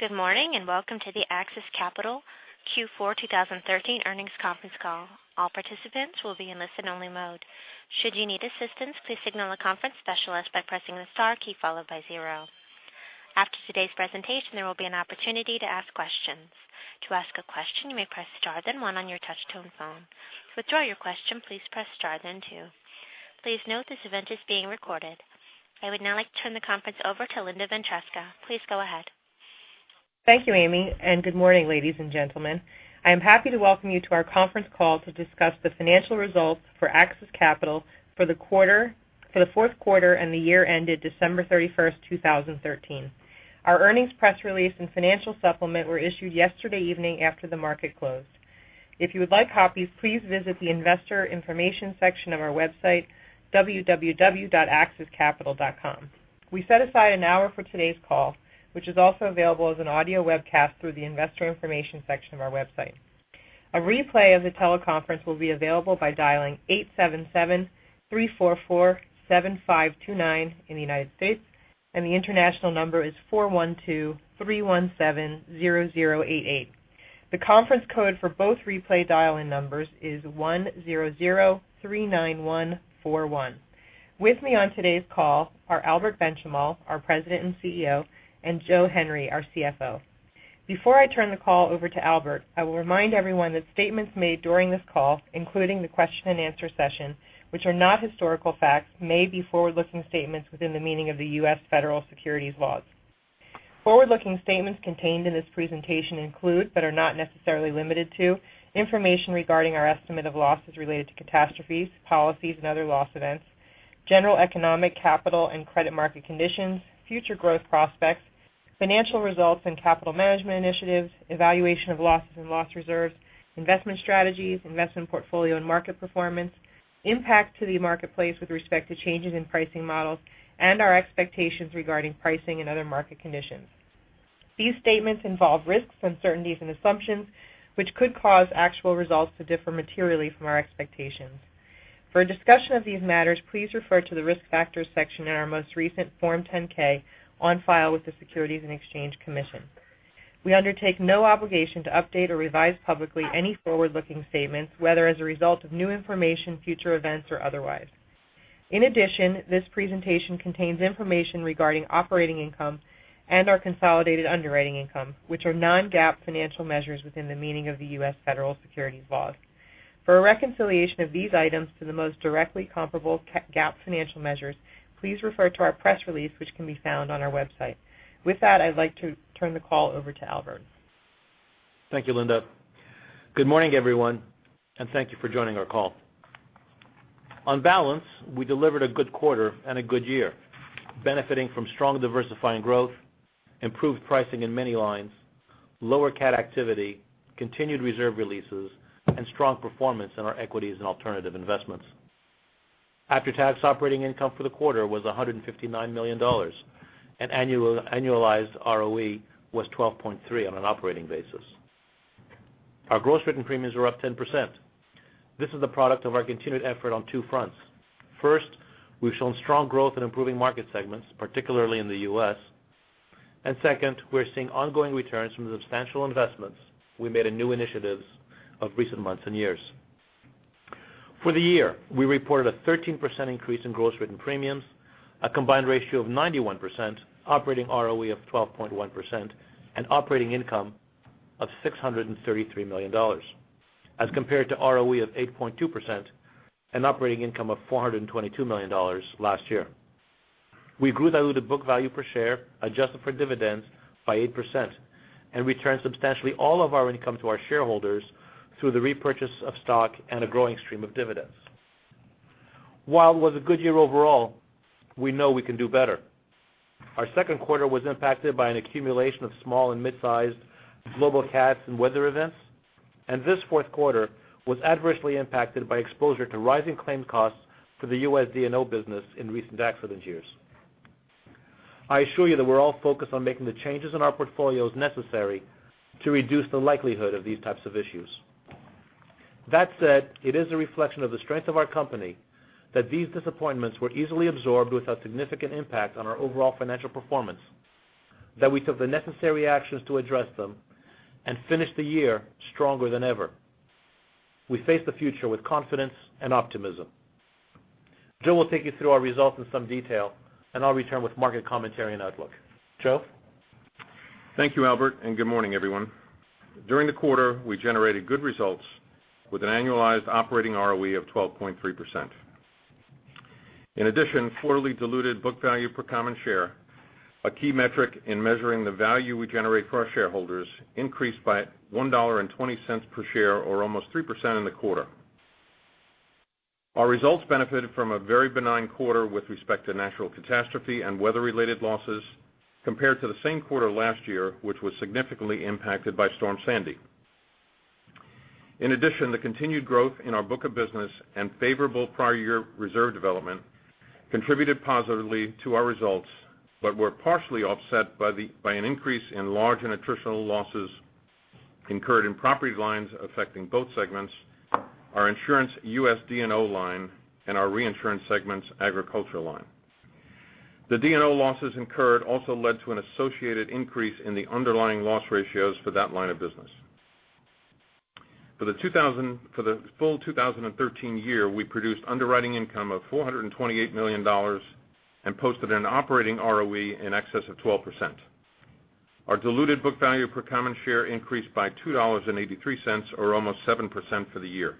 Good morning, welcome to the AXIS Capital Q4 2013 earnings conference call. All participants will be in listen-only mode. Should you need assistance, please signal a conference specialist by pressing the star key followed by zero. After today's presentation, there will be an opportunity to ask questions. To ask a question, you may press star then one on your touch-tone phone. To withdraw your question, please press star then two. Please note this event is being recorded. I would now like to turn the conference over to Linda Ventresca. Please go ahead. Thank you, Amy, good morning, ladies and gentlemen. I am happy to welcome you to our conference call to discuss the financial results for AXIS Capital for the fourth quarter and the year ended December 31st, 2013. Our earnings press release and financial supplement were issued yesterday evening after the market closed. If you would like copies, please visit the investor information section of our website, www.axiscapital.com. We set aside an hour for today's call, which is also available as an audio webcast through the investor information section of our website. A replay of the teleconference will be available by dialing 877-344-7529 in the U.S. and the international number is 412-317-0088. The conference code for both replay dial-in numbers is 100-391-41. With me on today's call are Albert Benchimol, our President and CEO, and Joseph Henry, our CFO. Before I turn the call over to Albert, I will remind everyone that statements made during this call, including the question and answer session, which are not historical facts, may be forward-looking statements within the meaning of the U.S. federal securities laws. Forward-looking statements contained in this presentation include, but are not necessarily limited to, information regarding our estimate of losses related to catastrophes, policies and other loss events, general economic, capital, and credit market conditions, future growth prospects, financial results and capital management initiatives, evaluation of losses and loss reserves, investment strategies, investment portfolio and market performance, impact to the marketplace with respect to changes in pricing models, and our expectations regarding pricing and other market conditions. These statements involve risks, uncertainties, and assumptions which could cause actual results to differ materially from our expectations. For a discussion of these matters, please refer to the risk factors section in our most recent Form 10-K on file with the Securities and Exchange Commission. We undertake no obligation to update or revise publicly any forward-looking statements, whether as a result of new information, future events, or otherwise. In addition, this presentation contains information regarding operating income and our consolidated underwriting income, which are non-GAAP financial measures within the meaning of the U.S. federal securities laws. For a reconciliation of these items to the most directly comparable GAAP financial measures, please refer to our press release, which can be found on our website. With that, I'd like to turn the call over to Albert. Thank you, Linda. Good morning, everyone, and thank you for joining our call. On balance, we delivered a good quarter and a good year, benefiting from strong diversifying growth, improved pricing in many lines, lower cat activity, continued reserve releases, and strong performance in our equities and alternative investments. After-tax operating income for the quarter was $159 million, and annualized ROE was 12.3 on an operating basis. Our gross written premiums were up 10%. This is the product of our continued effort on two fronts. First, we've shown strong growth in improving market segments, particularly in the U.S. Second, we're seeing ongoing returns from the substantial investments we made in new initiatives of recent months and years. For the year, we reported a 13% increase in gross written premiums, a combined ratio of 91%, operating ROE of 12.1%, and operating income of $633 million, as compared to ROE of 8.2% and operating income of $422 million last year. We grew diluted book value per share, adjusted for dividends, by 8% and returned substantially all of our income to our shareholders through the repurchase of stock and a growing stream of dividends. While it was a good year overall, we know we can do better. Our second quarter was impacted by an accumulation of small and mid-sized global cats and weather events, and this fourth quarter was adversely impacted by exposure to rising claim costs for the U.S. D&O business in recent accident years. I assure you that we're all focused on making the changes in our portfolios necessary to reduce the likelihood of these types of issues. That said, it is a reflection of the strength of our company that these disappointments were easily absorbed without significant impact on our overall financial performance, that we took the necessary actions to address them and finished the year stronger than ever. We face the future with confidence and optimism. Joe will take you through our results in some detail, and I'll return with market commentary and outlook. Joe? Thank you, Albert. Good morning, everyone. During the quarter, we generated good results with an annualized operating ROE of 12.3%. In addition, quarterly diluted book value per common share, a key metric in measuring the value we generate for our shareholders, increased by $1.20 per share or almost 3% in the quarter. Our results benefited from a very benign quarter with respect to natural catastrophe and weather-related losses compared to the same quarter last year, which was significantly impacted by Superstorm Sandy. In addition, the continued growth in our book of business and favorable prior year reserve development contributed positively to our results but were partially offset by an increase in large and attritional losses incurred in property lines affecting both segments, our insurance U.S. D&O line, and our reinsurance segment's agriculture line. The D&O losses incurred also led to an associated increase in the underlying loss ratios for that line of business. For the full 2013 year, we produced underwriting income of $428 million and posted an operating ROE in excess of 12%. Our diluted book value per common share increased by $2.83 or almost 7% for the year.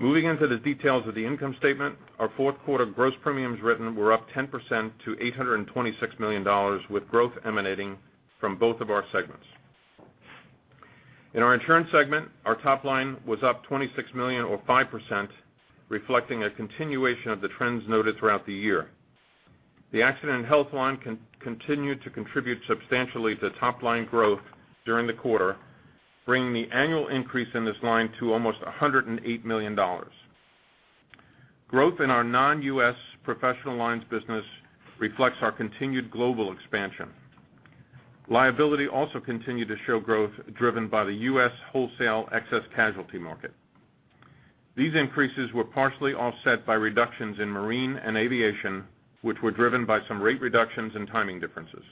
Moving into the details of the income statement, our fourth quarter gross premiums written were up 10% to $826 million with growth emanating from both of our segments. In our Insurance Segment, our top line was up $26 million or 5%, reflecting a continuation of the trends noted throughout the year. The accident and health line continued to contribute substantially to top-line growth during the quarter, bringing the annual increase in this line to almost $108 million. Growth in our non-U.S. professional lines business reflects our continued global expansion. Liability also continued to show growth driven by the U.S. wholesale excess casualty market. These increases were partially offset by reductions in marine and aviation, which were driven by some rate reductions and timing differences.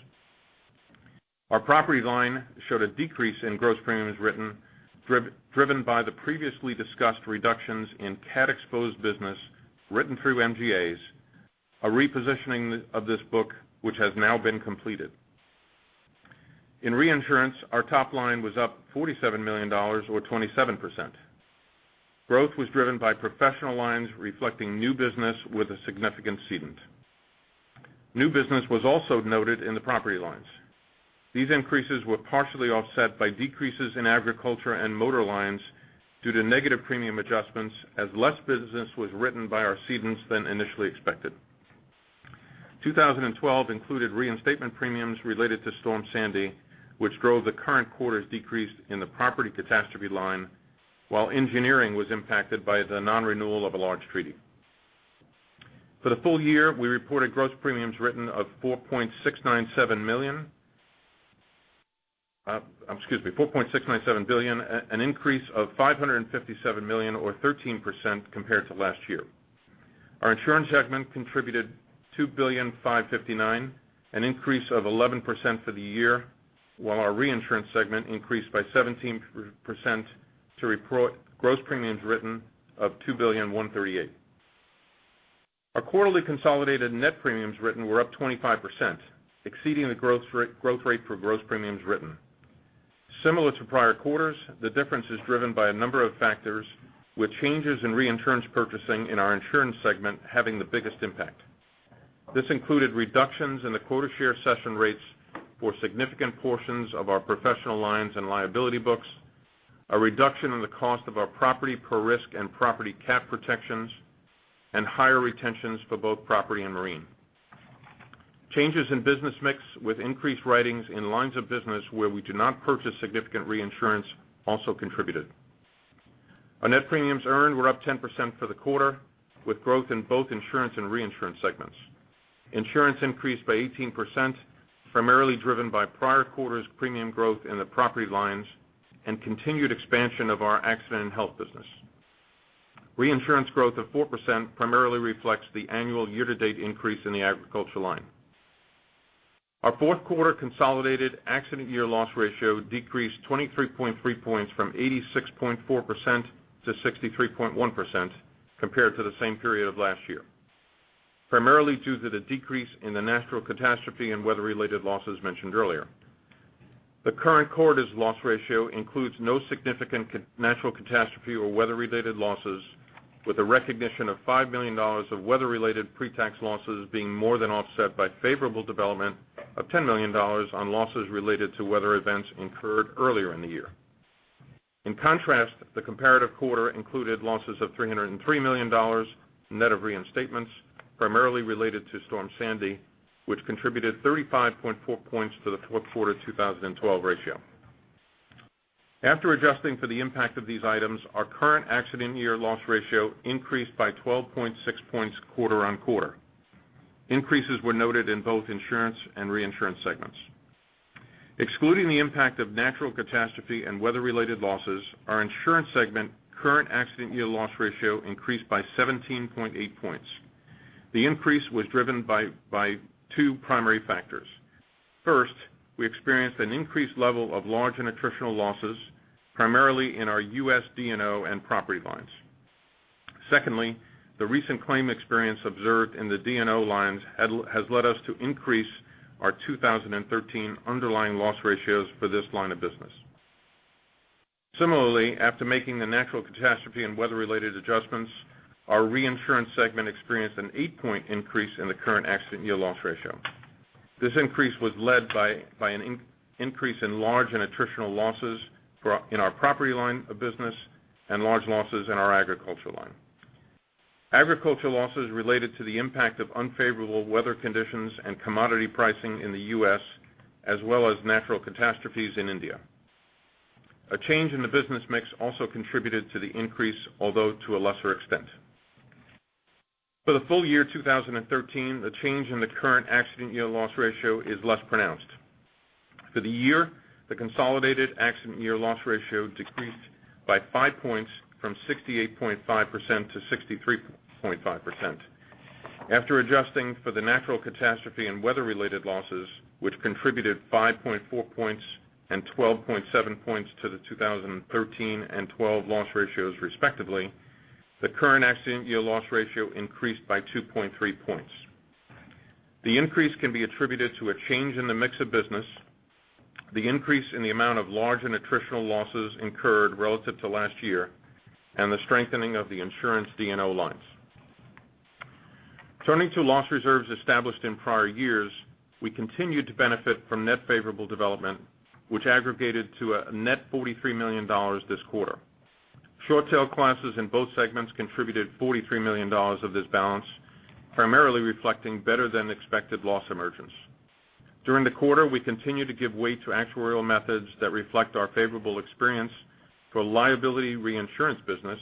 Our property line showed a decrease in gross premiums written, driven by the previously discussed reductions in cat exposed business written through MGAs, a repositioning of this book which has now been completed. In Reinsurance, our top line was up $47 million or 27%. Growth was driven by professional lines reflecting new business with a significant cedent. New business was also noted in the property lines. These increases were partially offset by decreases in agriculture and motor lines due to negative premium adjustments as less business was written by our cedents than initially expected. 2012 included reinstatement premiums related to Superstorm Sandy, which drove the current quarter's decrease in the property catastrophe line, while engineering was impacted by the non-renewal of a large treaty. For the full year, we reported gross premiums written of $4.697 billion, an increase of $557 million or 13% compared to last year. Our Insurance Segment contributed $2.559 billion, an increase of 11% for the year, while our Reinsurance Segment increased by 17% to gross premiums written of $2.138 billion. Our quarterly consolidated net premiums written were up 25%, exceeding the growth rate for gross premiums written. Similar to prior quarters, the difference is driven by a number of factors, with changes in reinsurance purchasing in our Insurance Segment having the biggest impact. This included reductions in the quota share cession rates for significant portions of our professional lines and liability books, a reduction in the cost of our property per risk and property cat protections, and higher retentions for both property and marine. Changes in business mix with increased writings in lines of business where we do not purchase significant reinsurance also contributed. Our net premiums earned were up 10% for the quarter, with growth in both Insurance and Reinsurance Segments. Insurance increased by 18%, primarily driven by prior quarters premium growth in the property lines and continued expansion of our accident and health business. Reinsurance growth of 4% primarily reflects the annual year-to-date increase in the agriculture line. Our fourth quarter consolidated accident year loss ratio decreased 23.3 points from 86.4% to 63.1% compared to the same period of last year, primarily due to the decrease in the natural catastrophe and weather-related losses mentioned earlier. The current quarter's loss ratio includes no significant natural catastrophe or weather-related losses with a recognition of $5 million of weather-related pre-tax losses being more than offset by favorable development of $10 million on losses related to weather events incurred earlier in the year. In contrast, the comparative quarter included losses of $303 million net of reinstatements, primarily related to Superstorm Sandy, which contributed 35.4 points to the fourth quarter 2012 ratio. After adjusting for the impact of these items, our current accident year loss ratio increased by 12.6 points quarter-over-quarter. Increases were noted in both insurance and reinsurance segments. Excluding the impact of natural catastrophe and weather-related losses, our insurance segment current accident year loss ratio increased by 17.8 points. The increase was driven by two primary factors. First, we experienced an increased level of large and attritional losses, primarily in our U.S. D&O and property lines. Secondly, the recent claim experience observed in the D&O lines has led us to increase our 2013 underlying loss ratios for this line of business. Similarly, after making the natural catastrophe and weather-related adjustments, our reinsurance segment experienced an eight-point increase in the current accident year loss ratio. This increase was led by an increase in large and attritional losses in our property line of business and large losses in our agriculture line. Agriculture losses related to the impact of unfavorable weather conditions and commodity pricing in the U.S., as well as natural catastrophes in India. A change in the business mix also contributed to the increase, although to a lesser extent. For the full year 2013, the change in the current accident year loss ratio is less pronounced. For the year, the consolidated accident year loss ratio decreased by five points from 68.5% to 63.5%. After adjusting for the natural catastrophe and weather-related losses, which contributed 5.4 points and 12.7 points to the 2013 and 2012 loss ratios, respectively, the current accident year loss ratio increased by 2.3 points. The increase can be attributed to a change in the mix of business, the increase in the amount of large and attritional losses incurred relative to last year, and the strengthening of the insurance D&O lines. Turning to loss reserves established in prior years, we continued to benefit from net favorable development, which aggregated to a net $43 million this quarter. Short tail classes in both segments contributed $43 million of this balance, primarily reflecting better than expected loss emergence. During the quarter, we continued to give weight to actuarial methods that reflect our favorable experience for liability reinsurance business,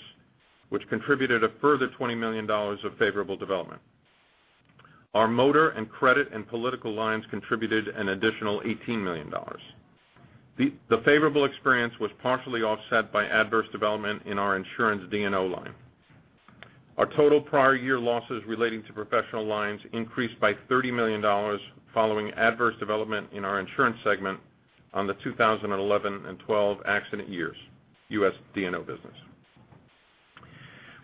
which contributed a further $20 million of favorable development. Our motor and credit and political lines contributed an additional $18 million. The favorable experience was partially offset by adverse development in our insurance D&O line. Our total prior year losses relating to professional lines increased by $30 million following adverse development in our insurance segment on the 2011 and 2012 accident years, US D&O business.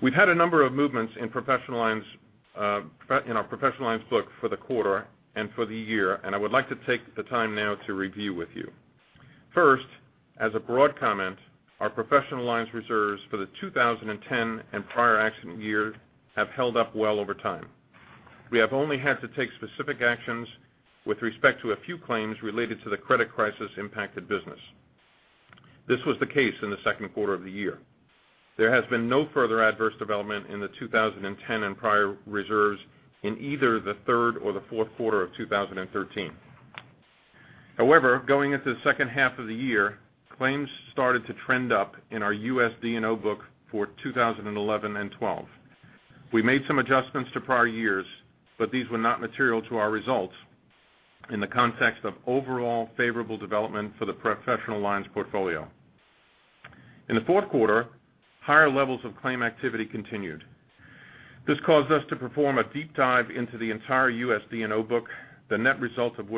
I would like to take the time now to review with you. First, as a broad comment, our professional lines reserves for the 2010 and prior accident years have held up well over time. We have only had to take specific actions with respect to a few claims related to the credit crisis impacted business. This was the case in the second quarter of the year. There has been no further adverse development in the 2010 and prior reserves in either the third or the fourth quarter of 2013. However, going into the second half of the year, claims started to trend up in our US D&O book for 2011 and 2012. We made some adjustments to prior years, but these were not material to our results in the context of overall favorable development for the professional lines portfolio. In the fourth quarter, higher levels of claim activity continued. This caused us to perform a deep dive into the entire US D&O book, the net result of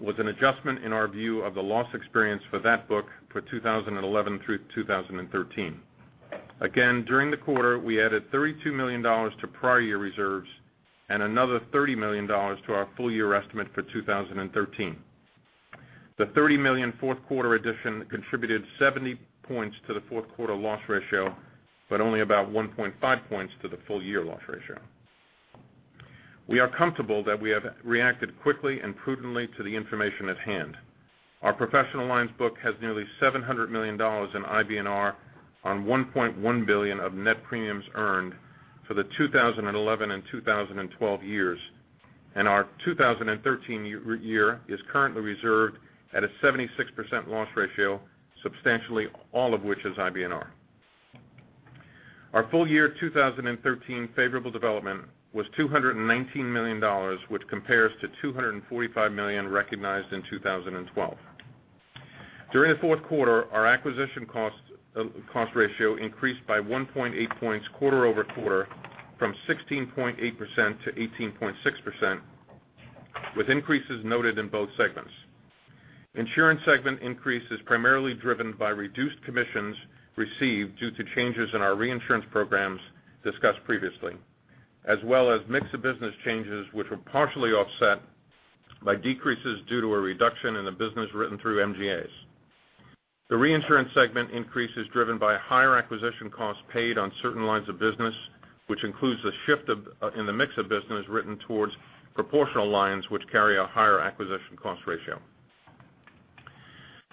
which was an adjustment in our view of the loss experience for that book for 2011 through 2013. Again, during the quarter, we added $32 million to prior year reserves and another $30 million to our full-year estimate for 2013. The $30 million fourth quarter addition contributed 70 points to the fourth quarter loss ratio, but only about 1.5 points to the full year loss ratio. We are comfortable that we have reacted quickly and prudently to the information at hand. Our professional lines book has nearly $700 million in IBNR on $1.1 billion of net premiums earned for the 2011 and 2012 years, and our 2013 year is currently reserved at a 76% loss ratio, substantially all of which is IBNR. Our full year 2013 favorable development was $219 million, which compares to $245 million recognized in 2012. During the fourth quarter, our acquisition cost ratio increased by 1.8 points quarter-over-quarter from 16.8% to 18.6%, with increases noted in both segments. Insurance segment increase is primarily driven by reduced commissions received due to changes in our reinsurance programs discussed previously, as well as mix of business changes, which were partially offset by decreases due to a reduction in the business written through MGAs. The reinsurance segment increase is driven by higher acquisition costs paid on certain lines of business, which includes a shift in the mix of business written towards proportional lines, which carry a higher acquisition cost ratio.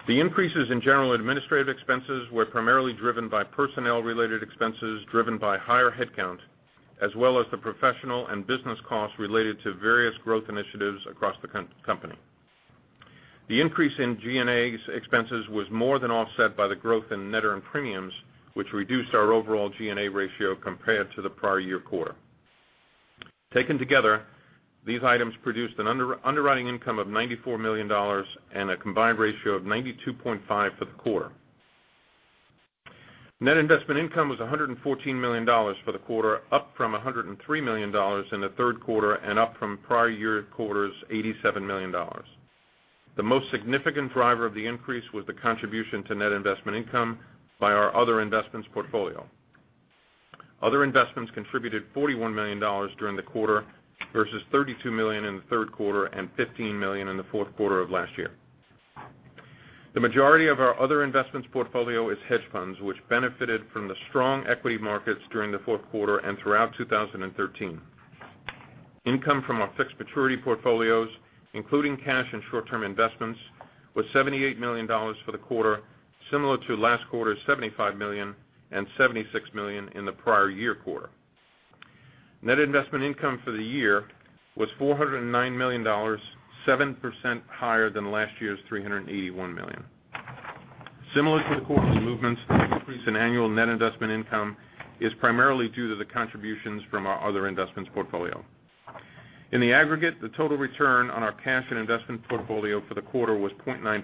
The increases in general administrative expenses were primarily driven by personnel related expenses driven by higher headcount, as well as the professional and business costs related to various growth initiatives across the company. The increase in G&A expenses was more than offset by the growth in net earned premiums, which reduced our overall G&A ratio compared to the prior year quarter. Taken together, these items produced an underwriting income of $94 million and a combined ratio of 92.5 for the quarter. Net investment income was $114 million for the quarter, up from $103 million in the third quarter and up from prior year quarter's $87 million. The most significant driver of the increase was the contribution to net investment income by our other investments portfolio. Other investments contributed $41 million during the quarter versus $32 million in the third quarter and $15 million in the fourth quarter of last year. The majority of our other investments portfolio is hedge funds, which benefited from the strong equity markets during the fourth quarter and throughout 2013. Income from our fixed maturity portfolios, including cash and short-term investments, was $78 million for the quarter, similar to last quarter's $75 million and $76 million in the prior year quarter. Net investment income for the year was $409 million, 7% higher than last year's $381 million. Similar to the quarter's movements, the increase in annual net investment income is primarily due to the contributions from our other investments portfolio. In the aggregate, the total return on our cash and investment portfolio for the quarter was 0.9%.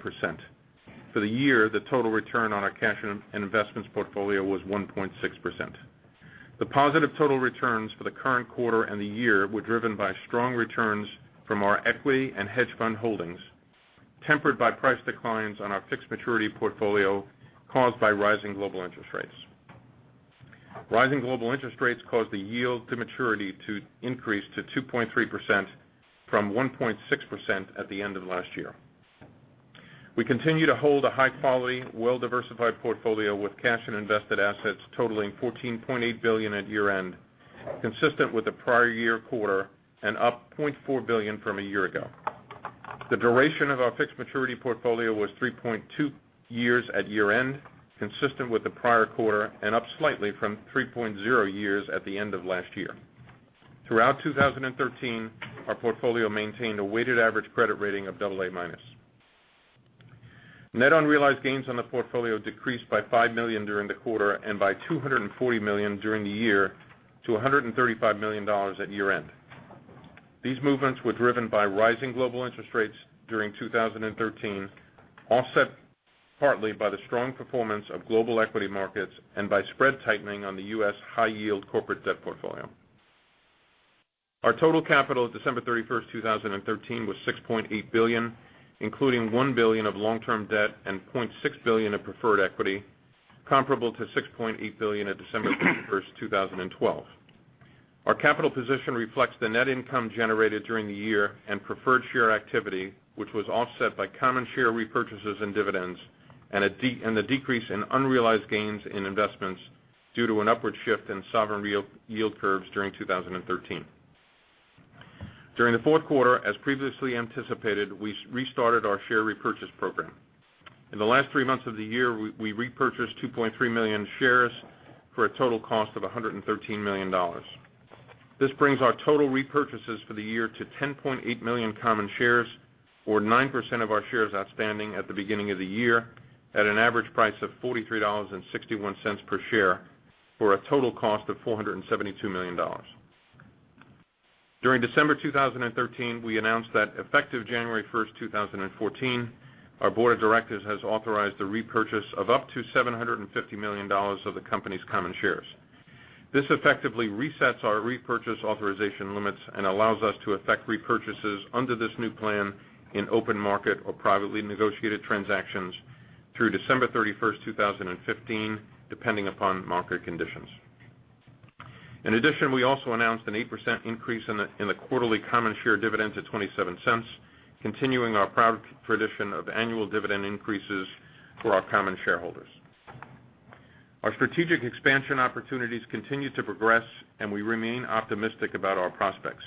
For the year, the total return on our cash and investments portfolio was 1.6%. The positive total returns for the current quarter and the year were driven by strong returns from our equity and hedge fund holdings, tempered by price declines on our fixed maturity portfolio caused by rising global interest rates. Rising global interest rates caused the yield to maturity to increase to 2.3% from 1.6% at the end of last year. We continue to hold a high-quality, well-diversified portfolio with cash and invested assets totaling $14.8 billion at year-end, consistent with the prior year quarter and up $0.4 billion from a year ago. The duration of our fixed maturity portfolio was 3.2 years at year-end, consistent with the prior quarter and up slightly from 3.0 years at the end of last year. Throughout 2013, our portfolio maintained a weighted average credit rating of double A minus. Net unrealized gains on the portfolio decreased by $5 million during the quarter and by $240 million during the year to $135 million at year-end. These movements were driven by rising global interest rates during 2013, offset partly by the strong performance of global equity markets and by spread tightening on the U.S. high yield corporate debt portfolio. Our total capital at December 31st, 2013, was $6.8 billion, including $1 billion of long-term debt and $0.6 billion of preferred equity, comparable to $6.8 billion at December 31st, 2012. Our capital position reflects the net income generated during the year and preferred share activity, which was offset by common share repurchases and dividends, and the decrease in unrealized gains in investments due to an upward shift in sovereign yield curves during 2013. During the fourth quarter, as previously anticipated, we restarted our share repurchase program. In the last three months of the year, we repurchased 2.3 million shares for a total cost of $113 million. This brings our total repurchases for the year to 10.8 million common shares or 9% of our shares outstanding at the beginning of the year at an average price of $43.61 per share for a total cost of $472 million. During December 2013, we announced that effective January 1st, 2014, our board of directors has authorized the repurchase of up to $750 million of the company's common shares. This effectively resets our repurchase authorization limits and allows us to effect repurchases under this new plan in open market or privately negotiated transactions through December 31st, 2015, depending upon market conditions. In addition, we also announced an 8% increase in the quarterly common share dividend to $0.27, continuing our proud tradition of annual dividend increases for our common shareholders. Our strategic expansion opportunities continue to progress. We remain optimistic about our prospects.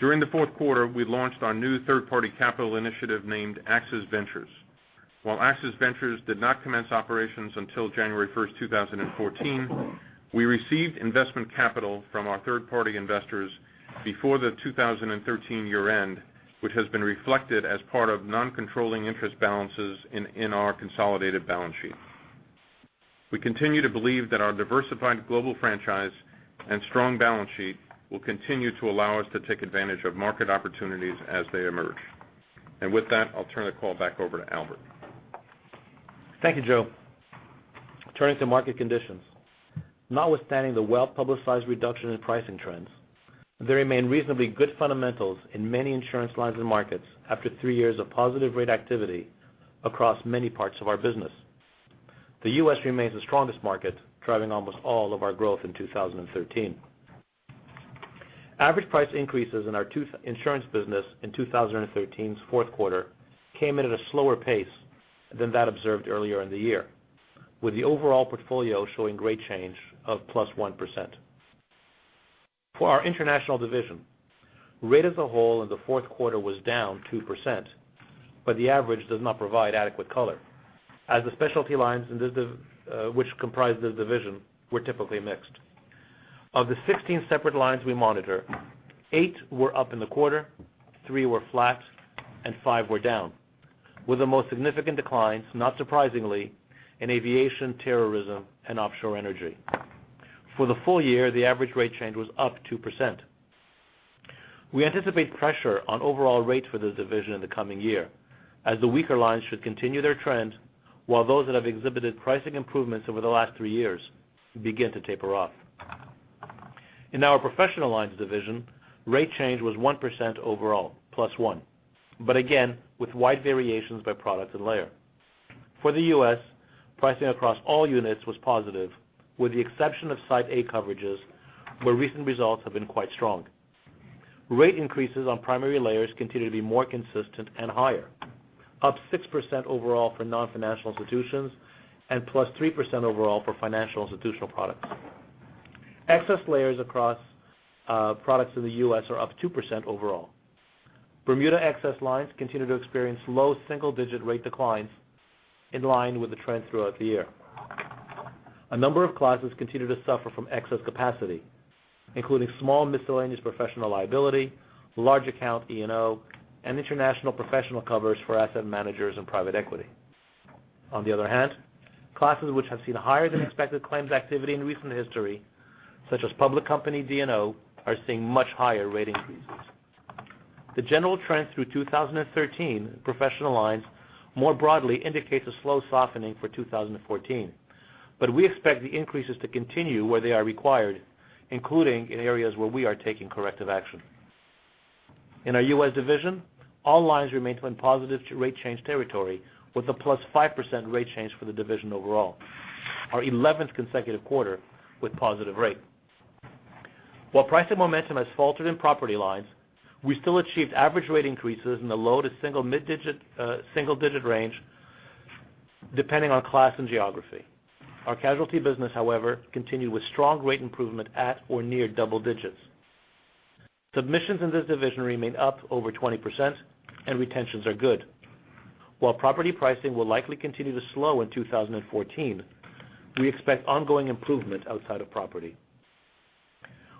During the fourth quarter, we launched our new third-party capital initiative named AXIS Ventures. While AXIS Ventures did not commence operations until January 1st, 2014, we received investment capital from our third-party investors before the 2013 year-end, which has been reflected as part of non-controlling interest balances in our consolidated balance sheet. We continue to believe that our diversified global franchise and strong balance sheet will continue to allow us to take advantage of market opportunities as they emerge. With that, I'll turn the call back over to Albert. Thank you, Joe. Turning to market conditions. Notwithstanding the well-publicized reduction in pricing trends, there remain reasonably good fundamentals in many insurance lines and markets after three years of positive rate activity across many parts of our business. The U.S. remains the strongest market, driving almost all of our growth in 2013. Average price increases in our insurance business in 2013's fourth quarter came in at a slower pace than that observed earlier in the year, with the overall portfolio showing rate change of +1%. For our international division, rate as a whole in the fourth quarter was -2%, but the average does not provide adequate color, as the specialty lines which comprise the division were typically mixed. Of the 16 separate lines we monitor, eight were up in the quarter, three were flat, and five were down, with the most significant declines, not surprisingly, in aviation, terrorism, and offshore energy. For the full year, the average rate change was +2%. We anticipate pressure on overall rates for this division in the coming year, as the weaker lines should continue their trend while those that have exhibited pricing improvements over the last three years begin to taper off. In our professional lines division, rate change was 1% overall, +1%, again, with wide variations by product and layer. For the U.S., pricing across all units was positive, with the exception of Side A coverages, where recent results have been quite strong. Rate increases on primary layers continue to be more consistent and higher, +6% overall for non-financial institutions and +3% overall for financial institutional products. Excess layers across products in the U.S. are +2% overall. Bermuda excess lines continue to experience low single-digit rate declines in line with the trend throughout the year. A number of classes continue to suffer from excess capacity, including small miscellaneous professional liability, large account E&O, and international professional coverage for asset managers and private equity. On the other hand, classes which have seen higher than expected claims activity in recent history, such as public company D&O, are seeing much higher rate increases. The general trend through 2013 professional lines more broadly indicates a slow softening for 2014. We expect the increases to continue where they are required, including in areas where we are taking corrective action. In our U.S. division, all lines remain in positive rate change territory with a +5% rate change for the division overall, our 11th consecutive quarter with positive rate. While pricing momentum has faltered in property lines, we still achieved average rate increases in the low to single-digit range depending on class and geography. Our casualty business, however, continued with strong rate improvement at or near double digits. Submissions in this division remain up over 20% and retentions are good. While property pricing will likely continue to slow in 2014, we expect ongoing improvement outside of property.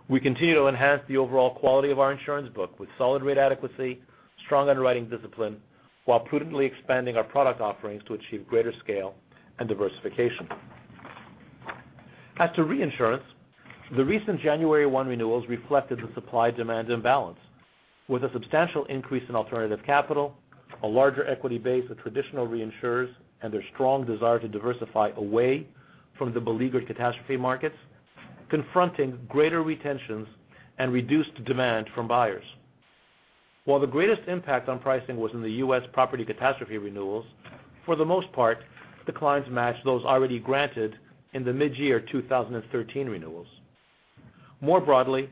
We continue to enhance the overall quality of our insurance book with solid rate adequacy, strong underwriting discipline, while prudently expanding our product offerings to achieve greater scale and diversification. As to reinsurance, the recent January 1 renewals reflected the supply-demand imbalance. With a substantial increase in alternative capital, a larger equity base of traditional reinsurers, and their strong desire to diversify away from the beleaguered catastrophe markets, confronting greater retentions and reduced demand from buyers. While the greatest impact on pricing was in the U.S. property catastrophe renewals, for the most part, declines matched those already granted in the mid-year 2013 renewals. More broadly,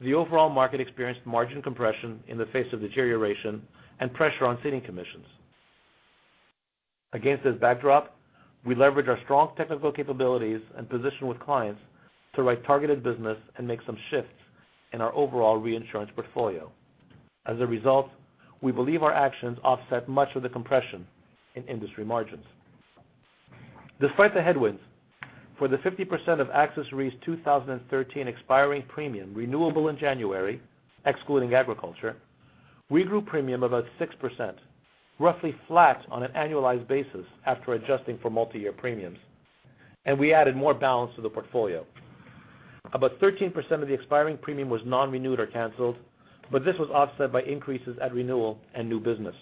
the overall market experienced margin compression in the face of deterioration and pressure on ceding commissions. Against this backdrop, we leverage our strong technical capabilities and position with clients to write targeted business and make some shifts in our overall reinsurance portfolio. As a result, we believe our actions offset much of the compression in industry margins. Despite the headwinds, for the 50% of AXIS Re's 2013 expiring premium renewable in January, excluding agriculture, we grew premium about 6%, roughly flat on an annualized basis after adjusting for multi-year premiums, and we added more balance to the portfolio. About 13% of the expiring premium was non-renewed or canceled, but this was offset by increases at renewal and new business.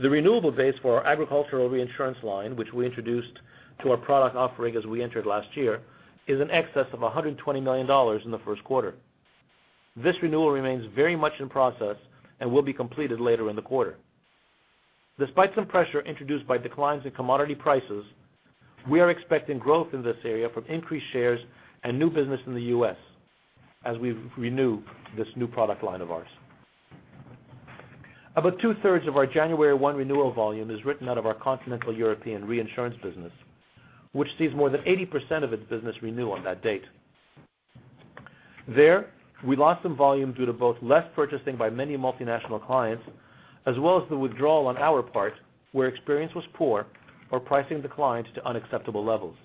The renewable base for our agricultural reinsurance line, which we introduced to our product offering as we entered last year, is in excess of $120 million in the first quarter. This renewal remains very much in process and will be completed later in the quarter. Despite some pressure introduced by declines in commodity prices, we are expecting growth in this area from increased shares and new business in the U.S. as we renew this new product line of ours. About two-thirds of our January 1 renewal volume is written out of our continental European reinsurance business, which sees more than 80% of its business renew on that date. There, we lost some volume due to both less purchasing by many multinational clients, as well as the withdrawal on our part, where experience was poor or pricing declined to unacceptable levels.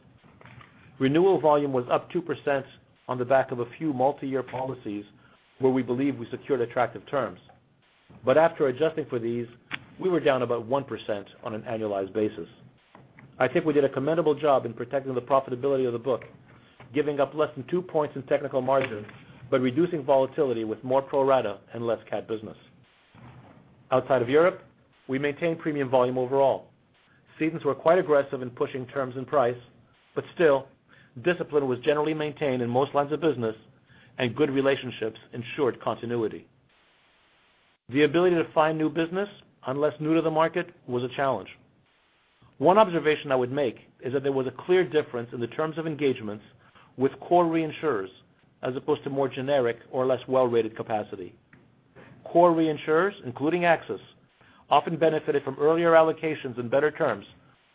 Renewal volume was up 2% on the back of a few multi-year policies where we believe we secured attractive terms. But after adjusting for these, we were down about 1% on an annualized basis. I think we did a commendable job in protecting the profitability of the book, giving up less than two points in technical margin, but reducing volatility with more pro-rata and less cat business. Outside of Europe, we maintained premium volume overall. Cedents were quite aggressive in pushing terms and price. Still, discipline was generally maintained in most lines of business and good relationships ensured continuity. The ability to find new business, unless new to the market, was a challenge. One observation I would make is that there was a clear difference in the terms of engagements with core reinsurers, as opposed to more generic or less well-rated capacity. Core reinsurers, including AXIS, often benefited from earlier allocations and better terms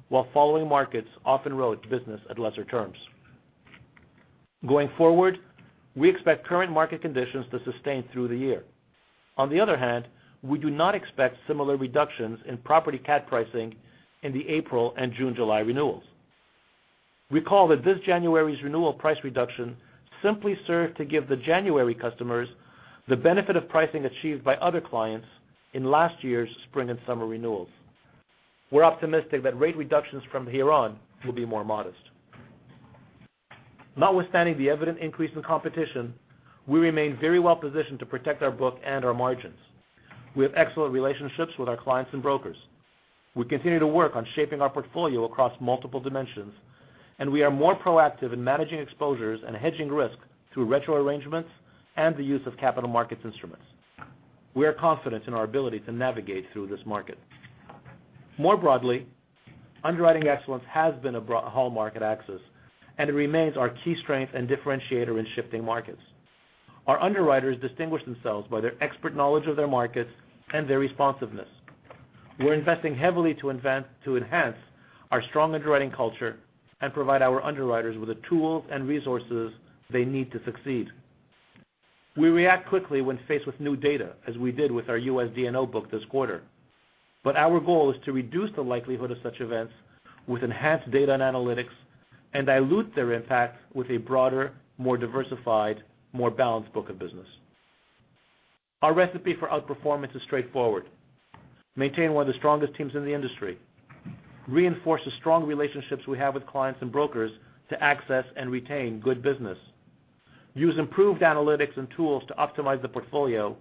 while following markets often wrote business at lesser terms. Going forward, we expect current market conditions to sustain through the year. On the other hand, we do not expect similar reductions in property cat pricing in the April and June/July renewals. Recall that this January's renewal price reduction simply served to give the January customers the benefit of pricing achieved by other clients in last year's spring and summer renewals. We're optimistic that rate reductions from here on will be more modest. Notwithstanding the evident increase in competition, we remain very well positioned to protect our book and our margins. We have excellent relationships with our clients and brokers. We continue to work on shaping our portfolio across multiple dimensions. We are more proactive in managing exposures and hedging risk through retrocession arrangements and the use of capital markets instruments. We are confident in our ability to navigate through this market. More broadly, underwriting excellence has been a hallmark at AXIS. It remains our key strength and differentiator in shifting markets. Our underwriters distinguish themselves by their expert knowledge of their markets and their responsiveness. We're investing heavily to enhance our strong underwriting culture and provide our underwriters with the tools and resources they need to succeed. We react quickly when faced with new data, as we did with our US D&O book this quarter. Our goal is to reduce the likelihood of such events with enhanced data and analytics, and dilute their impact with a broader, more diversified, more balanced book of business. Our recipe for outperformance is straightforward: maintain one of the strongest teams in the industry, reinforce the strong relationships we have with clients and brokers to access and retain good business, use improved analytics and tools to optimize the portfolio,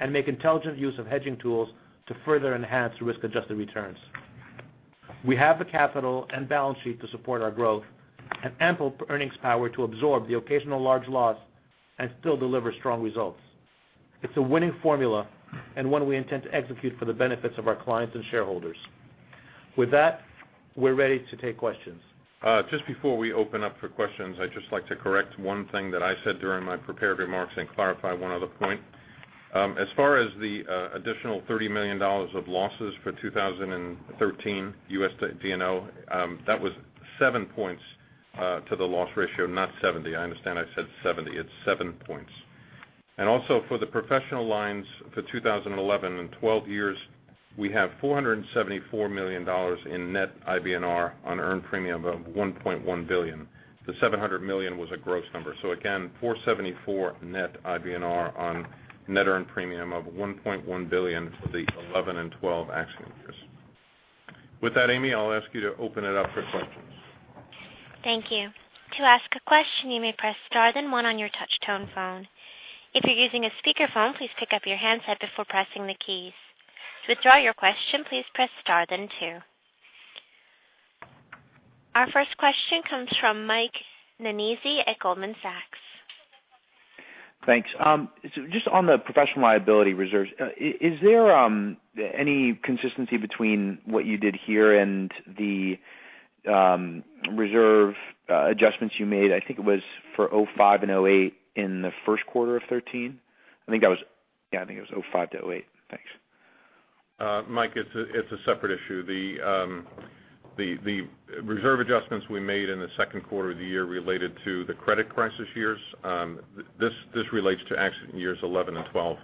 and make intelligent use of hedging tools to further enhance risk-adjusted returns. We have the capital and balance sheet to support our growth and ample earnings power to absorb the occasional large loss and still deliver strong results. It's a winning formula and one we intend to execute for the benefits of our clients and shareholders. With that, we're ready to take questions. Just before we open up for questions, I'd just like to correct one thing that I said during my prepared remarks and clarify one other point. As far as the additional $30 million of losses for 2013 US D&O, that was seven points to the loss ratio, not 70. I understand I said 70. It's seven points. Also, for the Professional Lines for 2011 and 2012 years, we have $474 million in net IBNR on earned premium of $1.1 billion. The $700 million was a gross number. Again, $474 net IBNR on net earned premium of $1.1 billion for the 2011 and 2012 accident years. With that, Amy, I'll ask you to open it up for questions. Thank you. To ask a question, you may press star then one on your touch tone phone. If you're using a speakerphone, please pick up your handset before pressing the keys. To withdraw your question, please press star then two. Our first question comes from Michael Nannizzi at Goldman Sachs. Thanks. Just on the professional liability reserves, is there any consistency between what you did here and the reserve adjustments you made, I think it was for 2005 and 2008 in the first quarter of 2013? I think it was 2005 to 2008. Thanks. Mike, it's a separate issue. The reserve adjustments we made in the second quarter of the year related to the credit crisis years. This relates to accident years 2011 and 2012.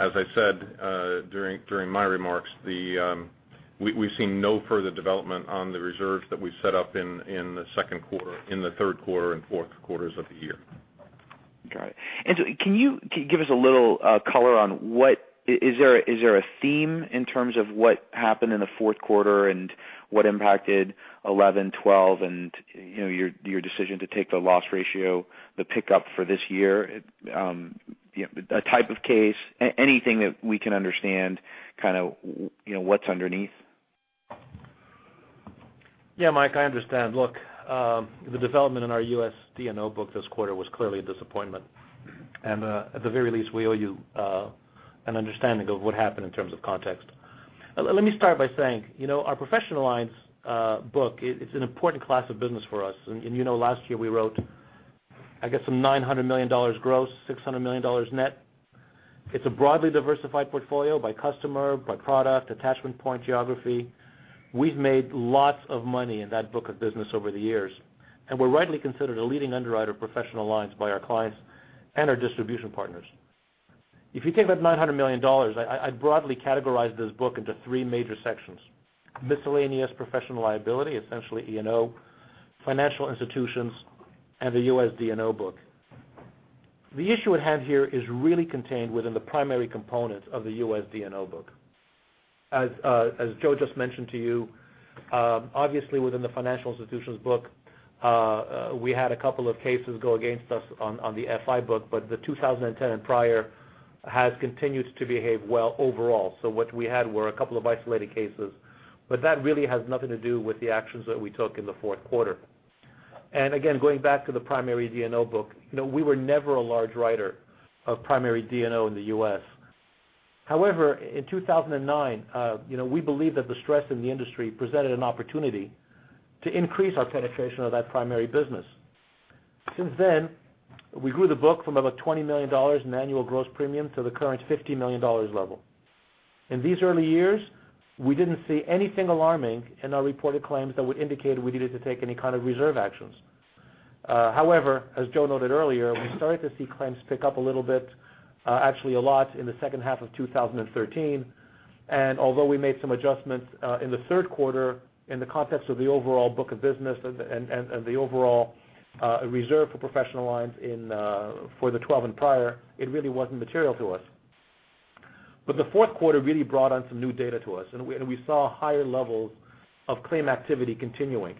As I said during my remarks, we've seen no further development on the reserves that we set up in the second quarter, in the third quarter, and fourth quarters of the year. Got it. Can you give us a little color on what is there a theme in terms of what happened in the fourth quarter and what impacted 2011, 2012, and your decision to take the loss ratio, the pickup for this year? A type of case, anything that we can understand, kind of what's underneath? Yeah, Mike, I understand. Look, the development in our US D&O book this quarter was clearly a disappointment. At the very least, we owe you an understanding of what happened in terms of context. Let me start by saying, our Professional Lines book, it's an important class of business for us, and you know last year we wrote, I guess, some $900 million gross, $600 million net. It's a broadly diversified portfolio by customer, by product, attachment point, geography. We've made lots of money in that book of business over the years, and we're rightly considered a leading underwriter of Professional Lines by our clients and our distribution partners. If you take that $900 million, I broadly categorize this book into three major sections: miscellaneous professional liability, essentially E&O, financial institutions, and the US D&O book. The issue at hand here is really contained within the primary component of the US D&O book. As Joe just mentioned to you, obviously within the financial institutions book, we had a couple of cases go against us on the FI book, but the 2010 and prior has continued to behave well overall. What we had were a couple of isolated cases. That really has nothing to do with the actions that we took in the fourth quarter. Again, going back to the primary D&O book, we were never a large writer of primary D&O in the U.S. However, in 2009, we believed that the stress in the industry presented an opportunity to increase our penetration of that primary business. Since then, we grew the book from about $20 million in annual gross premium to the current $50 million level. In these early years, we didn't see anything alarming in our reported claims that would indicate we needed to take any kind of reserve actions. However, as Joe noted earlier, we started to see claims pick up a little bit, actually a lot, in the second half of 2013, and although we made some adjustments in the third quarter in the context of the overall book of business and the overall reserve for Professional Lines for the 2012 and prior, it really wasn't material to us. The fourth quarter really brought on some new data to us, and we saw higher levels of claim activity continuing,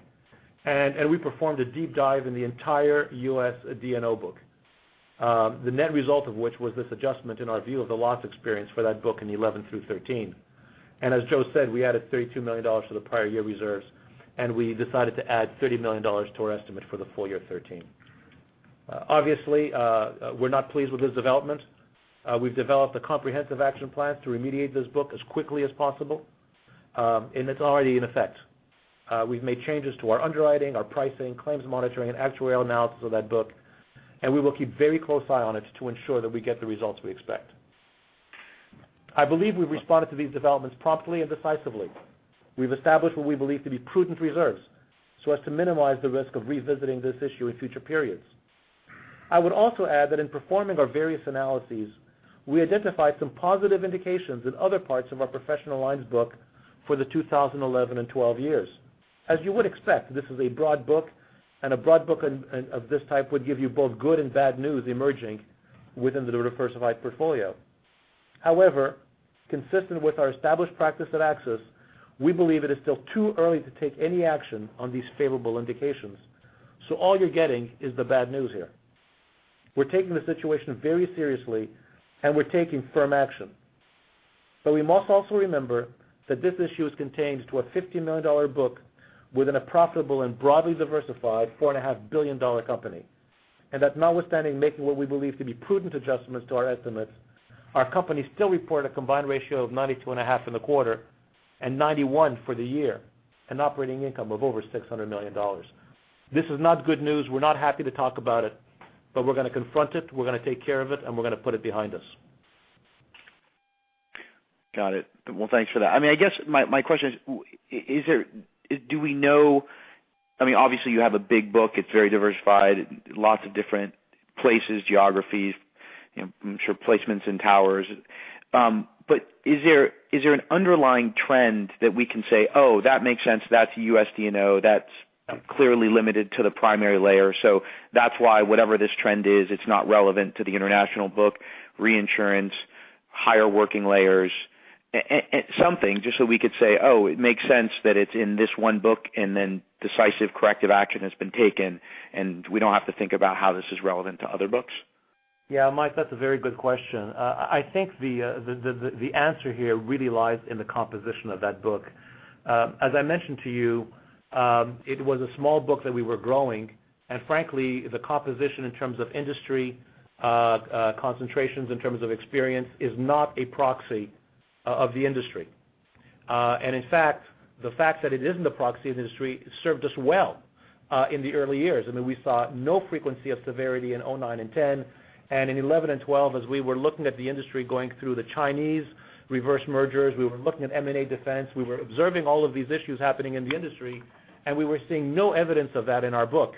and we performed a deep dive in the entire US D&O book. The net result of which was this adjustment in our view of the loss experience for that book in 2011 through 2013. As Joe said, we added $32 million to the prior year reserves. We decided to add $30 million to our estimate for the full year 2013. Obviously, we are not pleased with this development. We have developed a comprehensive action plan to remediate this book as quickly as possible. It is already in effect. We have made changes to our underwriting, our pricing, claims monitoring, and actuarial analysis of that book. We will keep very close eye on it to ensure that we get the results we expect. I believe we have responded to these developments promptly and decisively. We have established what we believe to be prudent reserves so as to minimize the risk of revisiting this issue in future periods. I would also add that in performing our various analyses, we identified some positive indications in other parts of our professional lines book for the 2011 and 2012 years. As you would expect, this is a broad book. A broad book of this type would give you both good and bad news emerging within the diversified portfolio. However, consistent with our established practice at AXIS, we believe it is still too early to take any action on these favorable indications. All you are getting is the bad news here. We are taking the situation very seriously. We are taking firm action. We must also remember that this issue is contained to a $50 million book within a profitable and broadly diversified $4.5 billion company. That notwithstanding making what we believe to be prudent adjustments to our estimates, our company still reported a combined ratio of 92.5 in the quarter and 91 for the year, an operating income of over $600 million. This is not good news. We are not happy to talk about it. We are going to confront it, we are going to take care of it. We are going to put it behind us. Got it. Well, thanks for that. I guess my question is, obviously you have a big book. It is very diversified, lots of different places, geographies. I am sure placements and towers. Is there an underlying trend that we can say, "Oh, that makes sense. That is a US D&O. That is clearly limited to the primary layer. That is why whatever this trend is, it is not relevant to the international book, reinsurance, higher working layers." Something just we could say, "Oh, it makes sense that it is in this one book. Then decisive corrective action has been taken. We do not have to think about how this is relevant to other books. Yeah, Mike, that's a very good question. I think the answer here really lies in the composition of that book. As I mentioned to you, it was a small book that we were growing. Frankly, the composition in terms of industry concentrations, in terms of experience, is not a proxy of the industry. In fact, the fact that it isn't a proxy of the industry served us well, in the early years. We saw no frequency of severity in 2009 and 2010. In 2011 and 2012, as we were looking at the industry going through the Chinese reverse mergers, we were looking at M&A defense. We were observing all of these issues happening in the industry, and we were seeing no evidence of that in our book.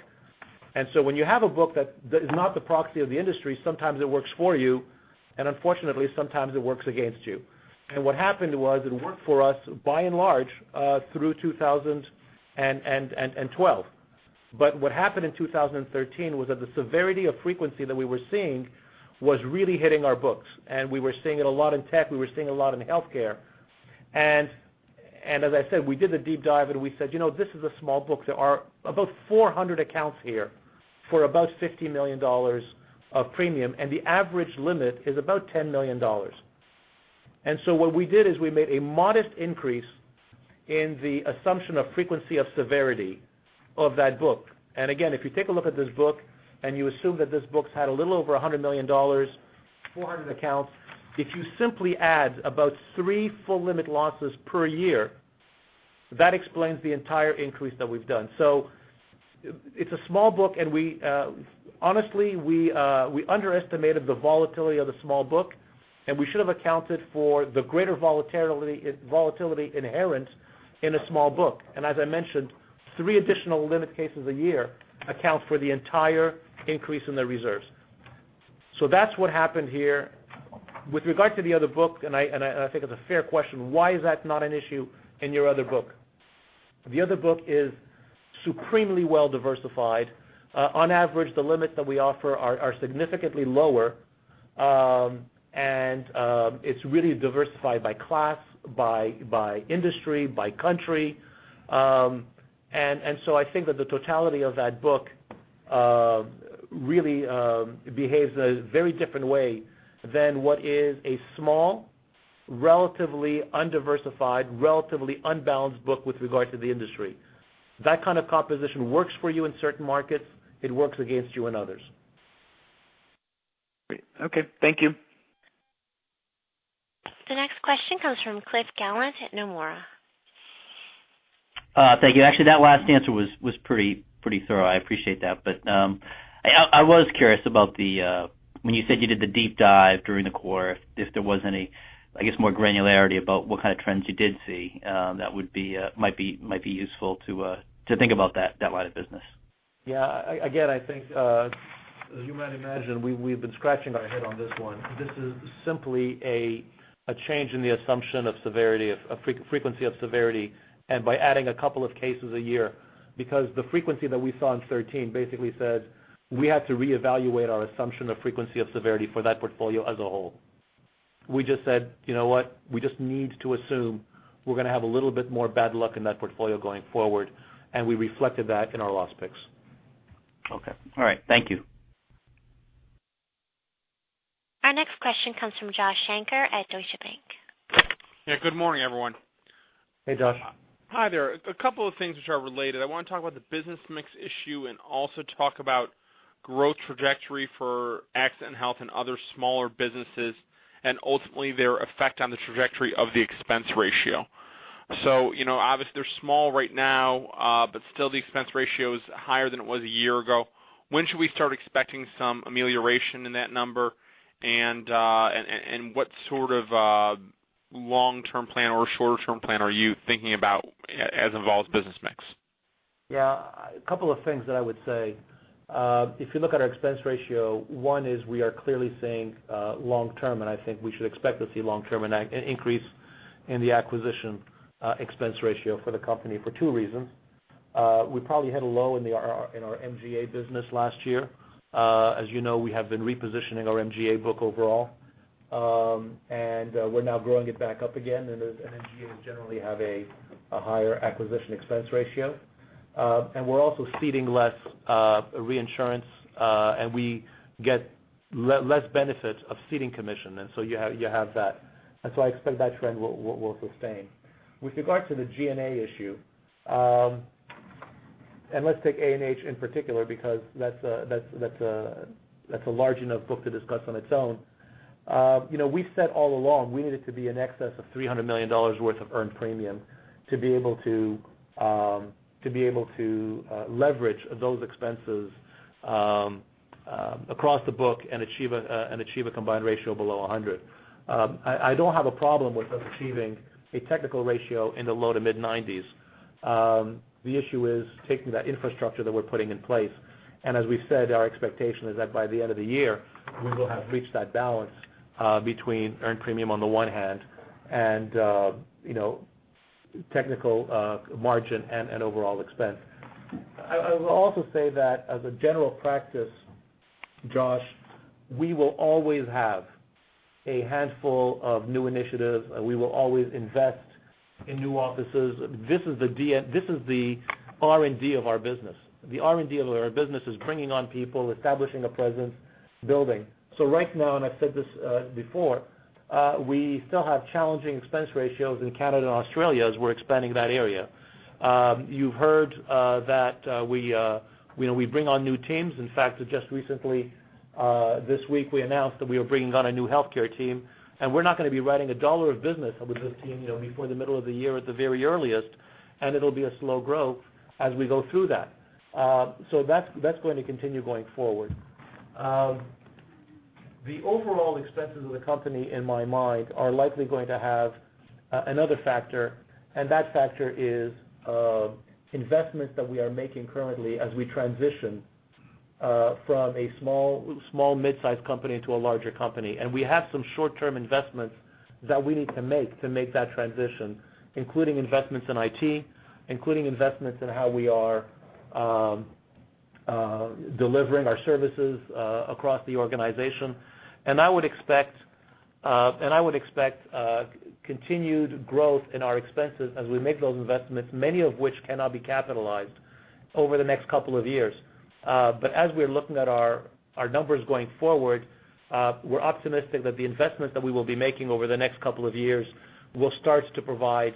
When you have a book that is not the proxy of the industry, sometimes it works for you, and unfortunately, sometimes it works against you. What happened was it worked for us by and large, through 2012. What happened in 2013 was that the severity of frequency that we were seeing was really hitting our books, and we were seeing it a lot in tech. We were seeing a lot in healthcare. As I said, we did the deep dive, and we said, "This is a small book." There are about 400 accounts here for about $50 million of premium, and the average limit is about $10 million. What we did is we made a modest increase in the assumption of frequency of severity of that book. Again, if you take a look at this book and you assume that this book's had a little over $100 million, 400 accounts. If you simply add about three full limit losses per year, that explains the entire increase that we've done. It's a small book, and honestly, we underestimated the volatility of the small book, and we should have accounted for the greater volatility inherent in a small book. As I mentioned, three additional limit cases a year accounts for the entire increase in the reserves. That's what happened here. With regard to the other book, and I think it's a fair question, why is that not an issue in your other book? The other book is supremely well-diversified. On average, the limits that we offer are significantly lower. It's really diversified by class, by industry, by country. I think that the totality of that book really behaves in a very different way than what is a small, relatively undiversified, relatively unbalanced book with regard to the industry. That kind of composition works for you in certain markets. It works against you in others. Great. Okay. Thank you. The next question comes from Cliff Gallant at Nomura. Thank you. Actually, that last answer was pretty thorough. I appreciate that. I was curious about when you said you did the deep dive during the quarter if there was any, I guess, more granularity about what kind of trends you did see that might be useful to think about that line of business. Yeah. Again, I think as you might imagine, we've been scratching our head on this one. This is simply a change in the assumption of frequency of severity and by adding a couple of cases a year because the frequency that we saw in 2013 basically said we had to reevaluate our assumption of frequency of severity for that portfolio as a whole. We just said, "You know what? We just need to assume we're going to have a little bit more bad luck in that portfolio going forward," and we reflected that in our loss picks. Okay. All right. Thank you. Our next question comes from Josh Shanker at Deutsche Bank. Yeah. Good morning, everyone. Hey, Josh. Hi there. A couple of things which are related. I want to talk about the business mix issue and also talk about growth trajectory for AXIS and health and other smaller businesses, and ultimately their effect on the trajectory of the expense ratio. Obviously they're small right now, but still the expense ratio is higher than it was a year ago. When should we start expecting some amelioration in that number? What sort of long-term plan or shorter-term plan are you thinking about as involves business mix? Yeah. A couple of things that I would say. If you look at our expense ratio, one is we are clearly seeing long-term, and I think we should expect to see long-term, an increase in the acquisition expense ratio for the company for 2 reasons. We probably hit a low in our MGA business last year. As you know, we have been repositioning our MGA book overall. We're now growing it back up again, and MGAs generally have a higher acquisition expense ratio. We're also ceding less reinsurance, and we get less benefit of ceding commission. You have that. I expect that trend will sustain. With regard to the G&A issue, and let's take A&H in particular because that's a large enough book to discuss on its own. We've said all along, we need it to be in excess of $300 million worth of earned premium to be able to leverage those expenses across the book and achieve a combined ratio below 100. I don't have a problem with us achieving a technical ratio in the low to mid-90s. The issue is taking that infrastructure that we're putting in place, and as we've said, our expectation is that by the end of the year, we will have reached that balance between earned premium on the one hand and technical margin and overall expense. I will also say that as a general practice, Josh, we will always have a handful of new initiatives. We will always invest in new offices. This is the R&D of our business. The R&D of our business is bringing on people, establishing a presence, building. Right now, and I've said this before, we still have challenging expense ratios in Canada and Australia as we're expanding that area. You've heard that we bring on new teams. In fact, just recently this week, we announced that we are bringing on a new healthcare team, and we're not going to be writing $1 of business with this team before the middle of the year at the very earliest, and it'll be a slow growth as we go through that. That's going to continue going forward. The overall expenses of the company, in my mind, are likely going to have another factor, and that factor is investments that we are making currently as we transition from a small, mid-size company to a larger company. We have some short-term investments that we need to make to make that transition, including investments in IT, including investments in how we are delivering our services across the organization. I would expect continued growth in our expenses as we make those investments, many of which cannot be capitalized over the next couple of years. As we're looking at our numbers going forward, we're optimistic that the investments that we will be making over the next couple of years will start to provide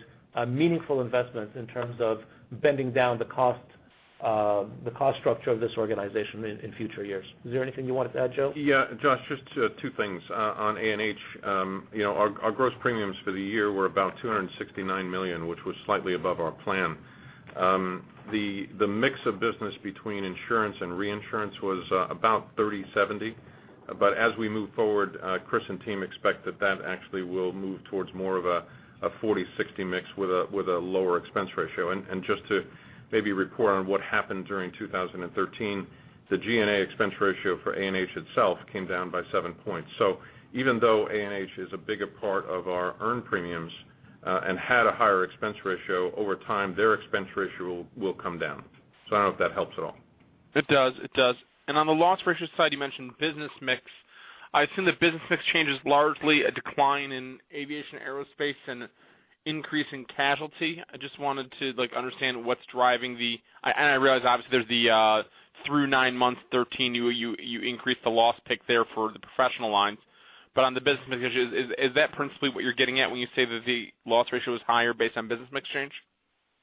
meaningful investments in terms of bending down the cost structure of this organization in future years. Is there anything you wanted to add, Joe? Yeah, Josh, just two things. On A&H, our gross premiums for the year were about $269 million, which was slightly above our plan. The mix of business between insurance and reinsurance was about 30/70. As we move forward, Chris and team expect that that actually will move towards more of a 40/60 mix with a lower expense ratio. Just to maybe report on what happened during 2013, the G&A expense ratio for A&H itself came down by seven points. Even though A&H is a bigger part of our earned premiums and had a higher expense ratio, over time, their expense ratio will come down. I don't know if that helps at all. It does. On the loss ratio side, you mentioned business mix. I assume the business mix change is largely a decline in aviation, aerospace, and increase in casualty. I just wanted to understand. I realize obviously there's the through nine months 2013, you increased the loss pick there for the professional lines. On the business mix issue, is that principally what you're getting at when you say that the loss ratio is higher based on business mix change?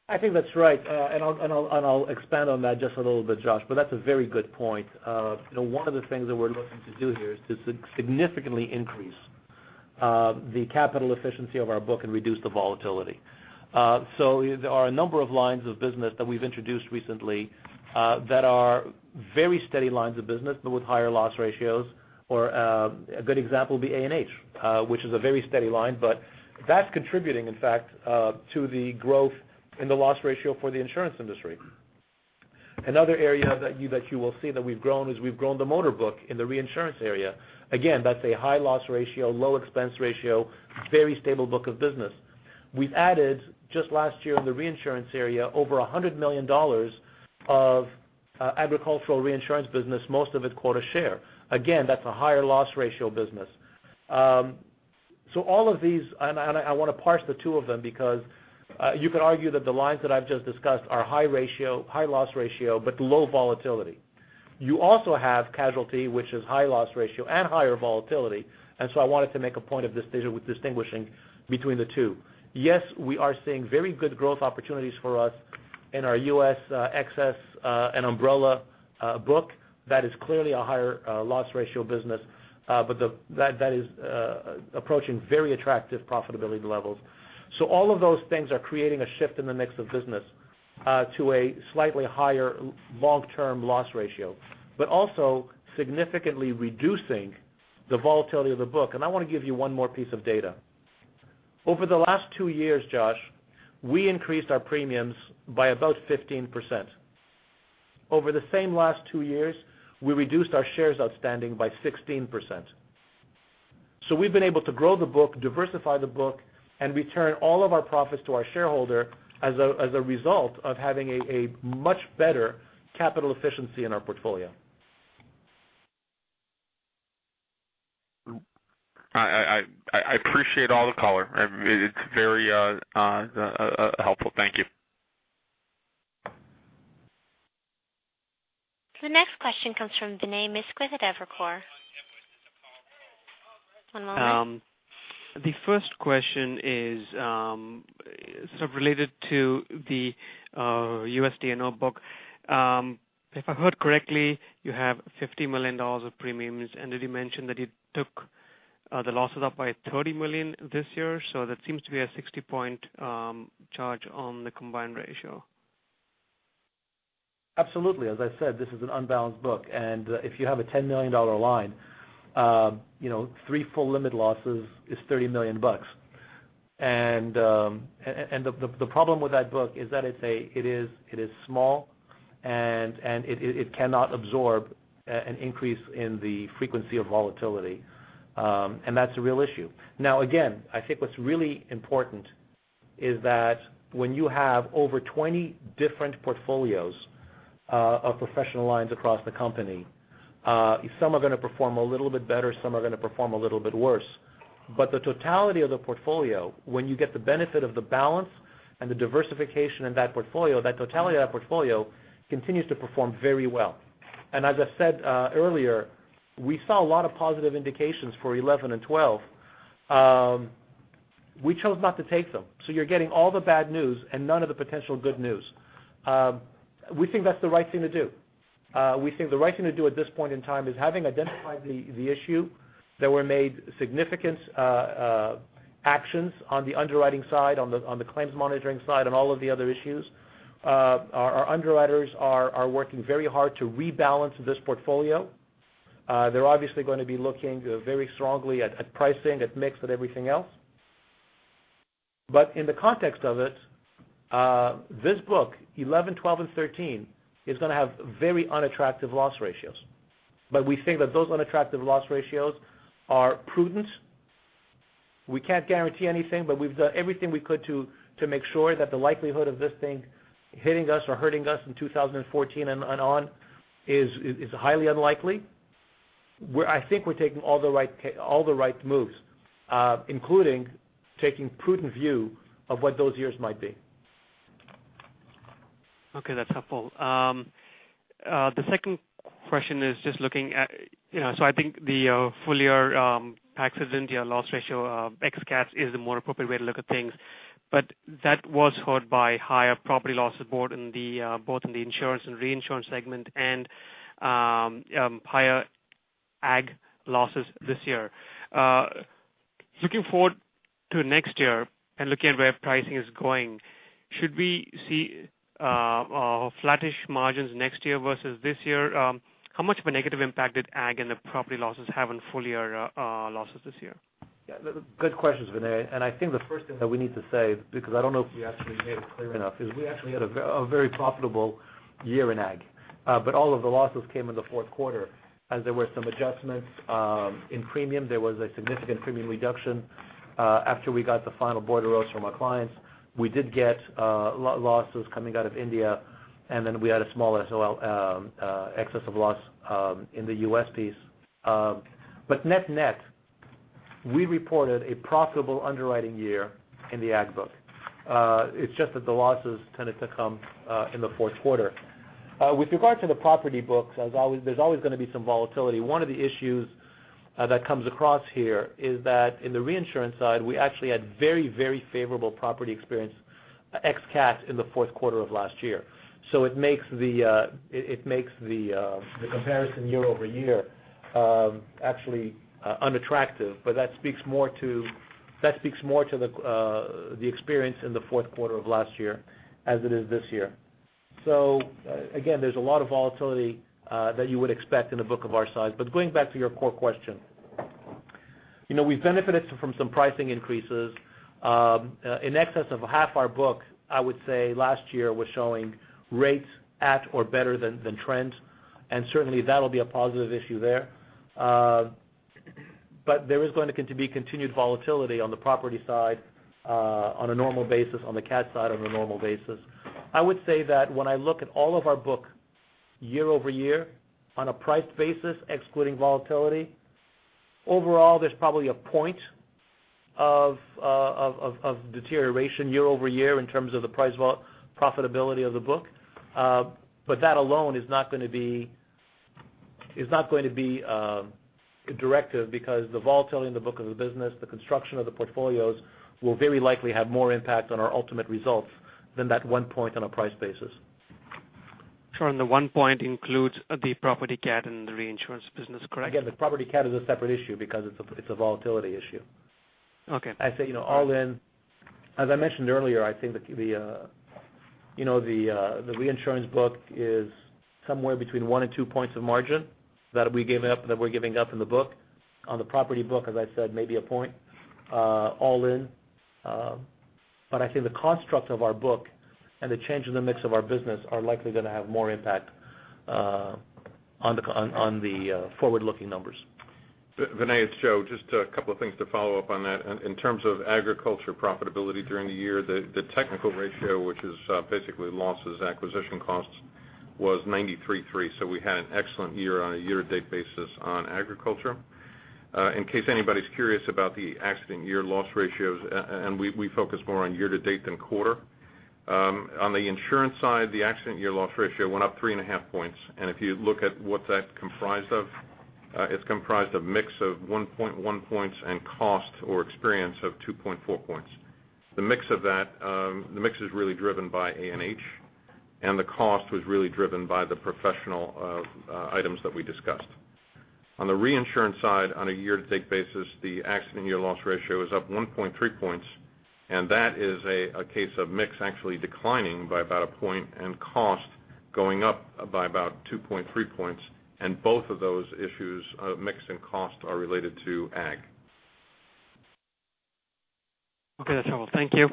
I think that's right, I'll expand on that just a little bit, Josh. That's a very good point. One of the things that we're looking to do here is to significantly increase the capital efficiency of our book and reduce the volatility. There are a number of lines of business that we've introduced recently that are very steady lines of business, but with higher loss ratios. A good example would be A&H, which is a very steady line. That's contributing, in fact, to the growth in the loss ratio for the insurance industry. Another area that you will see that we've grown is we've grown the motor book in the reinsurance area. Again, that's a high loss ratio, low expense ratio, very stable book of business. We've added just last year in the reinsurance area over $100 million of agricultural reinsurance business, most of it quota share. Again, that's a higher loss ratio business. All of these, and I want to parse the two of them because you could argue that the lines that I've just discussed are high loss ratio, but low volatility. You also have casualty, which is high loss ratio and higher volatility, I wanted to make a point of distinguishing between the two. Yes, we are seeing very good growth opportunities for us in our U.S. excess and umbrella book, that is clearly a higher loss ratio business, but that is approaching very attractive profitability levels. All of those things are creating a shift in the mix of business to a slightly higher long-term loss ratio, but also significantly reducing the volatility of the book. I want to give you one more piece of data. Over the last two years, Josh, we increased our premiums by about 15%. Over the same last two years, we reduced our shares outstanding by 16%. We've been able to grow the book, diversify the book, and return all of our profits to our shareholder as a result of having a much better capital efficiency in our portfolio. I appreciate all the color. It's very helpful. Thank you. The next question comes from Vinay Misquith at Evercore. One moment. The first question is sort of related to the US D&O book. If I heard correctly, you have $50 million of premiums, then you mentioned that you took the losses up by $30 million this year, that seems to be a 60-point charge on the combined ratio. Absolutely. As I said, this is an unbalanced book, if you have a $10 million line, three full limit losses is $30 million. The problem with that book is that it is small and it cannot absorb an increase in the frequency of volatility. That's a real issue. Now, again, I think what's really important is that when you have over 20 different portfolios of professional lines across the company, some are going to perform a little bit better, some are going to perform a little bit worse. The totality of the portfolio, when you get the benefit of the balance and the diversification in that portfolio, that totality of that portfolio continues to perform very well. As I said earlier, we saw a lot of positive indications for 2011 and 2012. We chose not to take them. You're getting all the bad news and none of the potential good news. We think that's the right thing to do. We think the right thing to do at this point in time is having identified the issue, that were made significant actions on the underwriting side, on the claims monitoring side, on all of the other issues. Our underwriters are working very hard to rebalance this portfolio. They're obviously going to be looking very strongly at pricing, at mix, at everything else. In the context of it, this book, 2011, 2012, and 2013, is going to have very unattractive loss ratios. We think that those unattractive loss ratios are prudent. We can't guarantee anything, we've done everything we could to make sure that the likelihood of this thing hitting us or hurting us in 2014 and on is highly unlikely. I think we're taking all the right moves, including taking prudent view of what those years might be. Okay, that's helpful. The second question is just looking at, I think the full year taxes into your loss ratio ex cat is the more appropriate way to look at things. That was hurt by higher property losses both in the insurance and reinsurance segment and higher ag losses this year. Looking forward to next year and looking at where pricing is going, should we see flattish margins next year versus this year? How much of a negative impact did ag and the property losses have on full year losses this year? Good questions, Vinay. I think the first thing that we need to say, because I don't know if we actually made it clear enough, is we actually had a very profitable year in ag. All of the losses came in the fourth quarter as there were some adjustments in premium. There was a significant premium reduction after we got the final bordereaux from our clients. We did get losses coming out of India, and then we had a small excess of loss in the U.S. piece. Net-net, we reported a profitable underwriting year in the ag book. It's just that the losses tended to come in the fourth quarter. With regard to the property books, there's always going to be some volatility. One of the issues that comes across here is that in the reinsurance side, we actually had very favorable property experience ex cat in the fourth quarter of last year. It makes the comparison year-over-year actually unattractive. That speaks more to the experience in the fourth quarter of last year as it is this year. Again, there's a lot of volatility that you would expect in a book of our size. Going back to your core question. We benefited from some pricing increases. In excess of half our book, I would say last year was showing rates at or better than trend, and certainly that'll be a positive issue there. There is going to be continued volatility on the property side on a normal basis, on the cat side on a normal basis. I would say that when I look at all of our book year-over-year on a priced basis, excluding volatility, overall, there's probably a point of deterioration year-over-year in terms of the profitability of the book. That alone is not going to be a directive because the volatility in the book of the business, the construction of the portfolios, will very likely have more impact on our ultimate results than that one point on a price basis. Sure. The one point includes the property cat and the reinsurance business, correct? The property cat is a separate issue because it's a volatility issue. Okay. I say all in. As I mentioned earlier, I think the reinsurance book is somewhere between one and two points of margin that we're giving up in the book. On the property book, as I said, maybe a point all in. I think the construct of our book and the change in the mix of our business are likely going to have more impact on the forward-looking numbers. Vinay, it's Joe. Just a couple of things to follow up on that. In terms of agriculture profitability during the year, the technical ratio, which is basically losses, acquisition costs, was 93.3. We had an excellent year on a year-to-date basis on agriculture. In case anybody's curious about the accident year loss ratios, and we focus more on year-to-date than quarter. On the insurance side, the accident year loss ratio went up three and a half points. If you look at what that's comprised of, it's comprised of mix of 1.1 points and cost or experience of 2.4 points. The mix is really driven by A&H, and the cost was really driven by the professional items that we discussed. On the reinsurance side, on a year-to-date basis, the accident year loss ratio is up 1.3 points, that is a case of mix actually declining by about a point and cost going up by about 2.3 points. Both of those issues of mix and cost are related to ag. Okay, that's all. Thank you.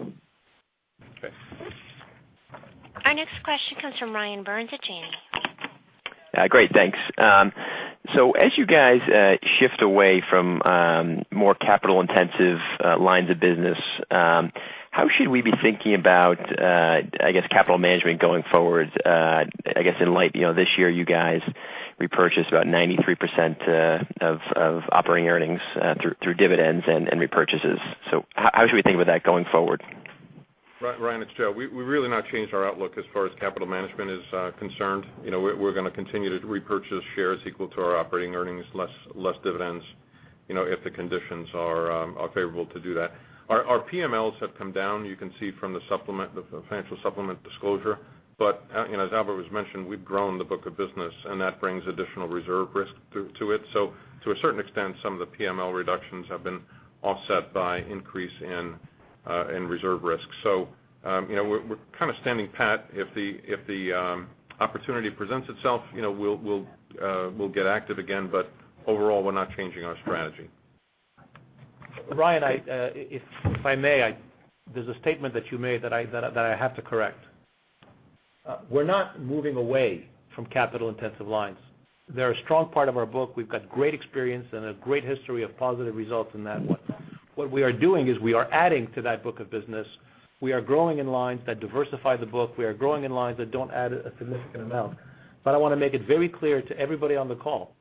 Okay. Our next question comes from Ryan Burns at Janney. Great, thanks. As you guys shift away from more capital-intensive lines of business, how should we be thinking about capital management going forward? I guess in light, this year you guys repurchased about 93% of operating earnings through dividends and repurchases. How should we think about that going forward? Ryan, it's Joe. We've really not changed our outlook as far as capital management is concerned. We're going to continue to repurchase shares equal to our operating earnings, less dividends, if the conditions are favorable to do that. Our PMLs have come down, you can see from the financial supplement disclosure. As Albert has mentioned, we've grown the book of business, and that brings additional reserve risk to it. To a certain extent, some of the PML reductions have been offset by increase in reserve risk. We're kind of standing pat. If the opportunity presents itself, we'll get active again. Overall, we're not changing our strategy. Ryan, if I may, there's a statement that you made that I have to correct. We're not moving away from capital-intensive lines. They're a strong part of our book. We've got great experience and a great history of positive results in that one. What we are doing is we are adding to that book of business. We are growing in lines that diversify the book. We are growing in lines that don't add a significant amount. I want to make it very clear to everybody on the call,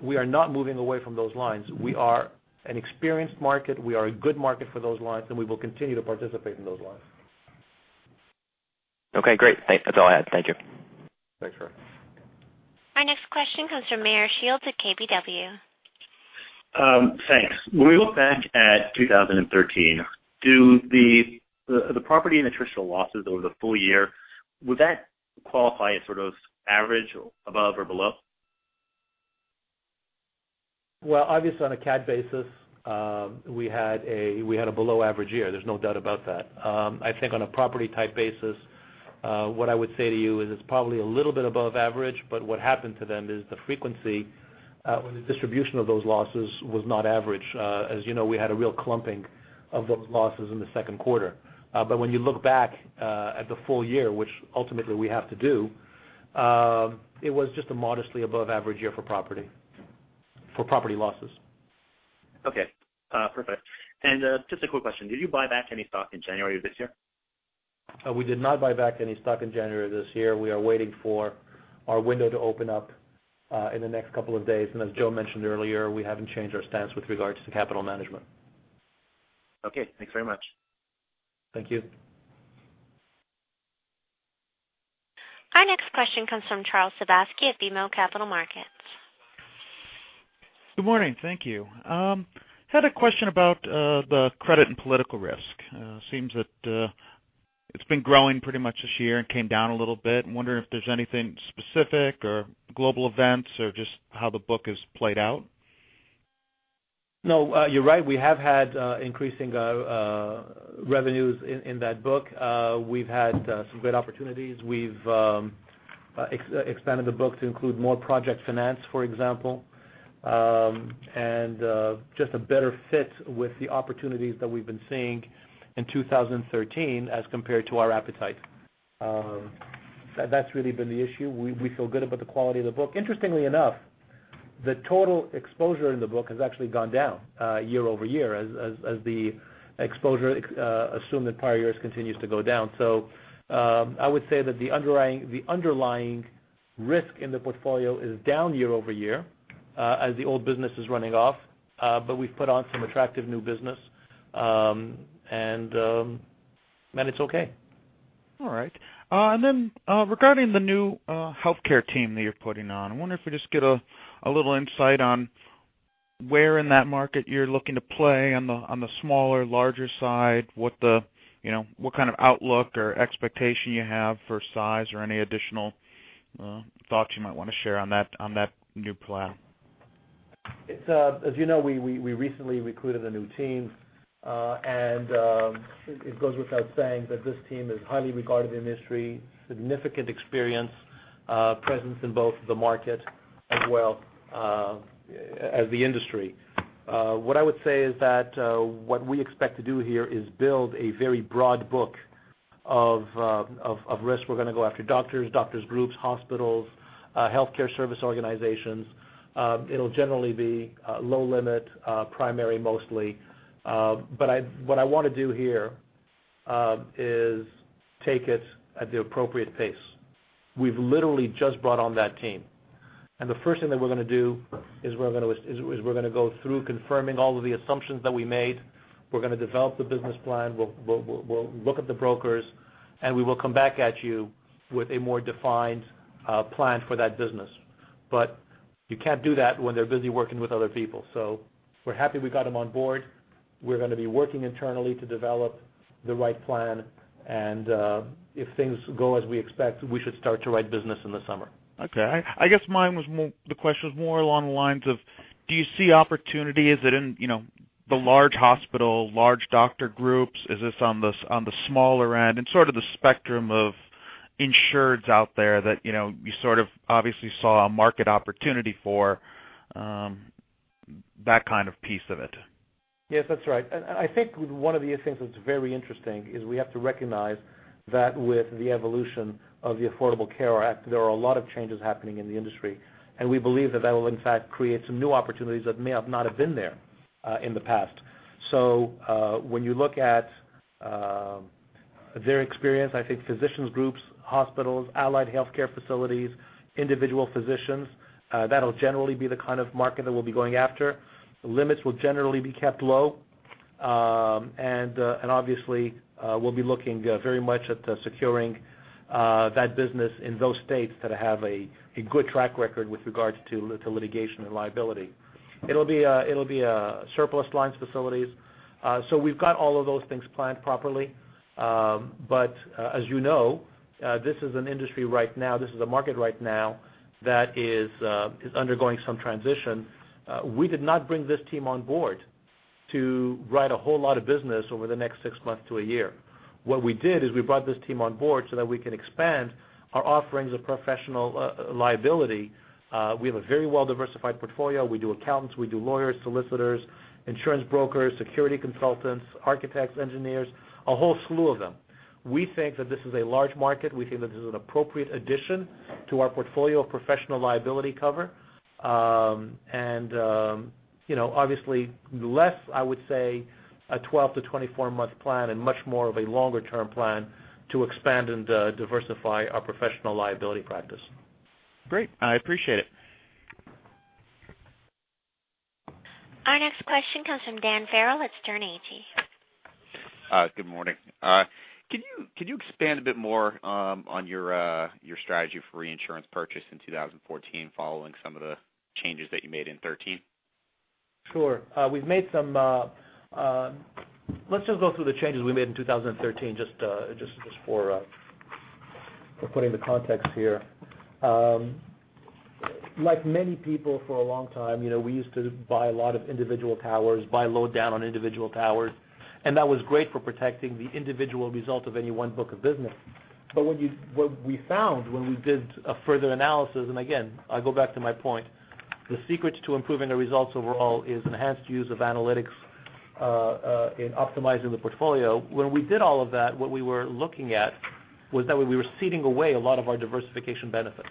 we are not moving away from those lines. We are an experienced market. We are a good market for those lines, and we will continue to participate in those lines. Okay, great. That's all I had. Thank you. Thanks, Ryan. Our next question comes from Meyer Shields at KBW. Thanks. When we look back at 2013, the property and attritional losses over the full year, would that qualify as sort of average or above or below? Well, obviously on a CAT basis, we had a below average year. There's no doubt about that. I think on a property type basis, what I would say to you is it's probably a little bit above average, but what happened to them is the frequency when the distribution of those losses was not average. As you know, we had a real clumping of those losses in the second quarter. When you look back at the full year, which ultimately we have to do, it was just a modestly above average year for property losses. Okay. Perfect. Just a quick question. Did you buy back any stock in January of this year? We did not buy back any stock in January of this year. We are waiting for our window to open up in the next couple of days. As Joe mentioned earlier, we haven't changed our stance with regards to capital management. Okay, thanks very much. Thank you. Our next question comes from Charles Sabia at BMO Capital Markets. Good morning. Thank you. Had a question about the credit and political risk. Seems that it's been growing pretty much this year and came down a little bit. I'm wondering if there's anything specific or global events or just how the book has played out. No, you're right. We have had increasing revenues in that book. We've had some great opportunities. We've expanded the book to include more project finance, for example, and just a better fit with the opportunities that we've been seeing in 2013 as compared to our appetite. That's really been the issue. We feel good about the quality of the book. Interestingly enough, the total exposure in the book has actually gone down year-over-year as the exposure assumed in prior years continues to go down. I would say that the underlying risk in the portfolio is down year-over-year as the old business is running off. We've put on some attractive new business, and it's okay. All right. Regarding the new healthcare team that you're putting on, I wonder if we just get a little insight on where in that market you're looking to play on the smaller, larger side, what kind of outlook or expectation you have for size, or any additional thoughts you might want to share on that new plan. As you know, we recently recruited a new team. It goes without saying that this team is highly regarded in the industry, significant experience, presence in both the market as well as the industry. What I would say is that what we expect to do here is build a very broad book of risk. We're going to go after doctors groups, hospitals, healthcare service organizations. It'll generally be low limit, primary mostly. What I want to do here is take it at the appropriate pace. We've literally just brought on that team. The first thing that we're going to do is we're going to go through confirming all of the assumptions that we made. We're going to develop the business plan. We'll look at the brokers, and we will come back at you with a more defined plan for that business. Can't do that when they're busy working with other people. We're happy we got them on board. We're going to be working internally to develop the right plan. If things go as we expect, we should start to write business in the summer. Okay. I guess the question was more along the lines of, do you see opportunity? Is it in the large hospital, large doctor groups? Is this on the smaller end? Sort of the spectrum of insureds out there that you sort of obviously saw a market opportunity for that kind of piece of it. Yes, that's right. I think one of the things that's very interesting is we have to recognize that with the evolution of the Affordable Care Act, there are a lot of changes happening in the industry. We believe that that will in fact create some new opportunities that may have not have been there in the past. When you look at their experience, I think physicians groups, hospitals, allied healthcare facilities, individual physicians, that'll generally be the kind of market that we'll be going after. The limits will generally be kept low. Obviously, we'll be looking very much at securing that business in those states that have a good track record with regards to litigation and liability. It'll be surplus lines facilities. We've got all of those things planned properly. As you know, this is an industry right now, this is a market right now that is undergoing some transition. We did not bring this team on board to write a whole lot of business over the next six months to a year. What we did is we brought this team on board so that we can expand our offerings of professional liability. We have a very well-diversified portfolio. We do accountants, we do lawyers, solicitors, insurance brokers, security consultants, architects, engineers, a whole slew of them. We think that this is a large market. We think that this is an appropriate addition to our portfolio of professional liability cover. Obviously less, I would say, a 12-24 month plan and much more of a longer-term plan to expand and diversify our professional liability practice. Great. I appreciate it. Our next question comes from Dan Farrell at Sterne Agee. Good morning. Can you expand a bit more on your strategy for reinsurance purchase in 2014 following some of the changes that you made in 2013? Sure. Let's just go through the changes we made in 2013 just for putting the context here. Like many people for a long time, we used to buy a lot of individual towers, buy low down on individual towers, that was great for protecting the individual result of any one book of business. What we found when we did a further analysis, and again, I go back to my point, the secret to improving the results overall is enhanced use of analytics in optimizing the portfolio. When we did all of that, what we were looking at was that we were ceding away a lot of our diversification benefits.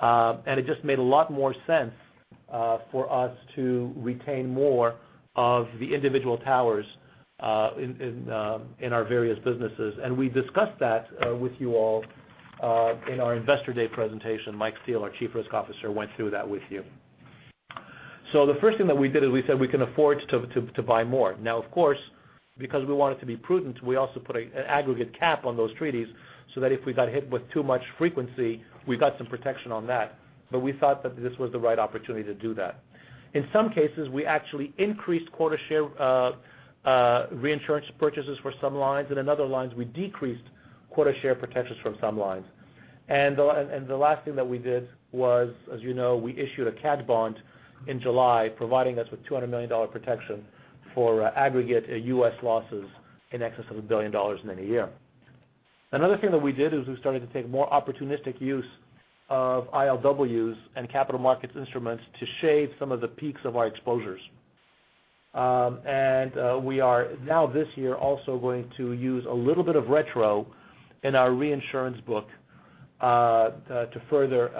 It just made a lot more sense for us to retain more of the individual towers in our various businesses. We discussed that with you all in our investor day presentation. Mike Steele, our Chief Risk Officer, went through that with you. The first thing that we did is we said we can afford to buy more. Of course, because we wanted to be prudent, we also put an aggregate cap on those treaties so that if we got hit with too much frequency, we got some protection on that. We thought that this was the right opportunity to do that. In some cases, we actually increased quota share reinsurance purchases for some lines, and in other lines, we decreased quota share protections from some lines. The last thing that we did was, as you know, we issued a cat bond in July, providing us with $200 million protection for aggregate U.S. losses in excess of $1 billion in any year. Another thing that we did is we started to take more opportunistic use of ILWs and capital markets instruments to shave some of the peaks of our exposures. We are now this year also going to use a little bit of retrocession in our reinsurance book to further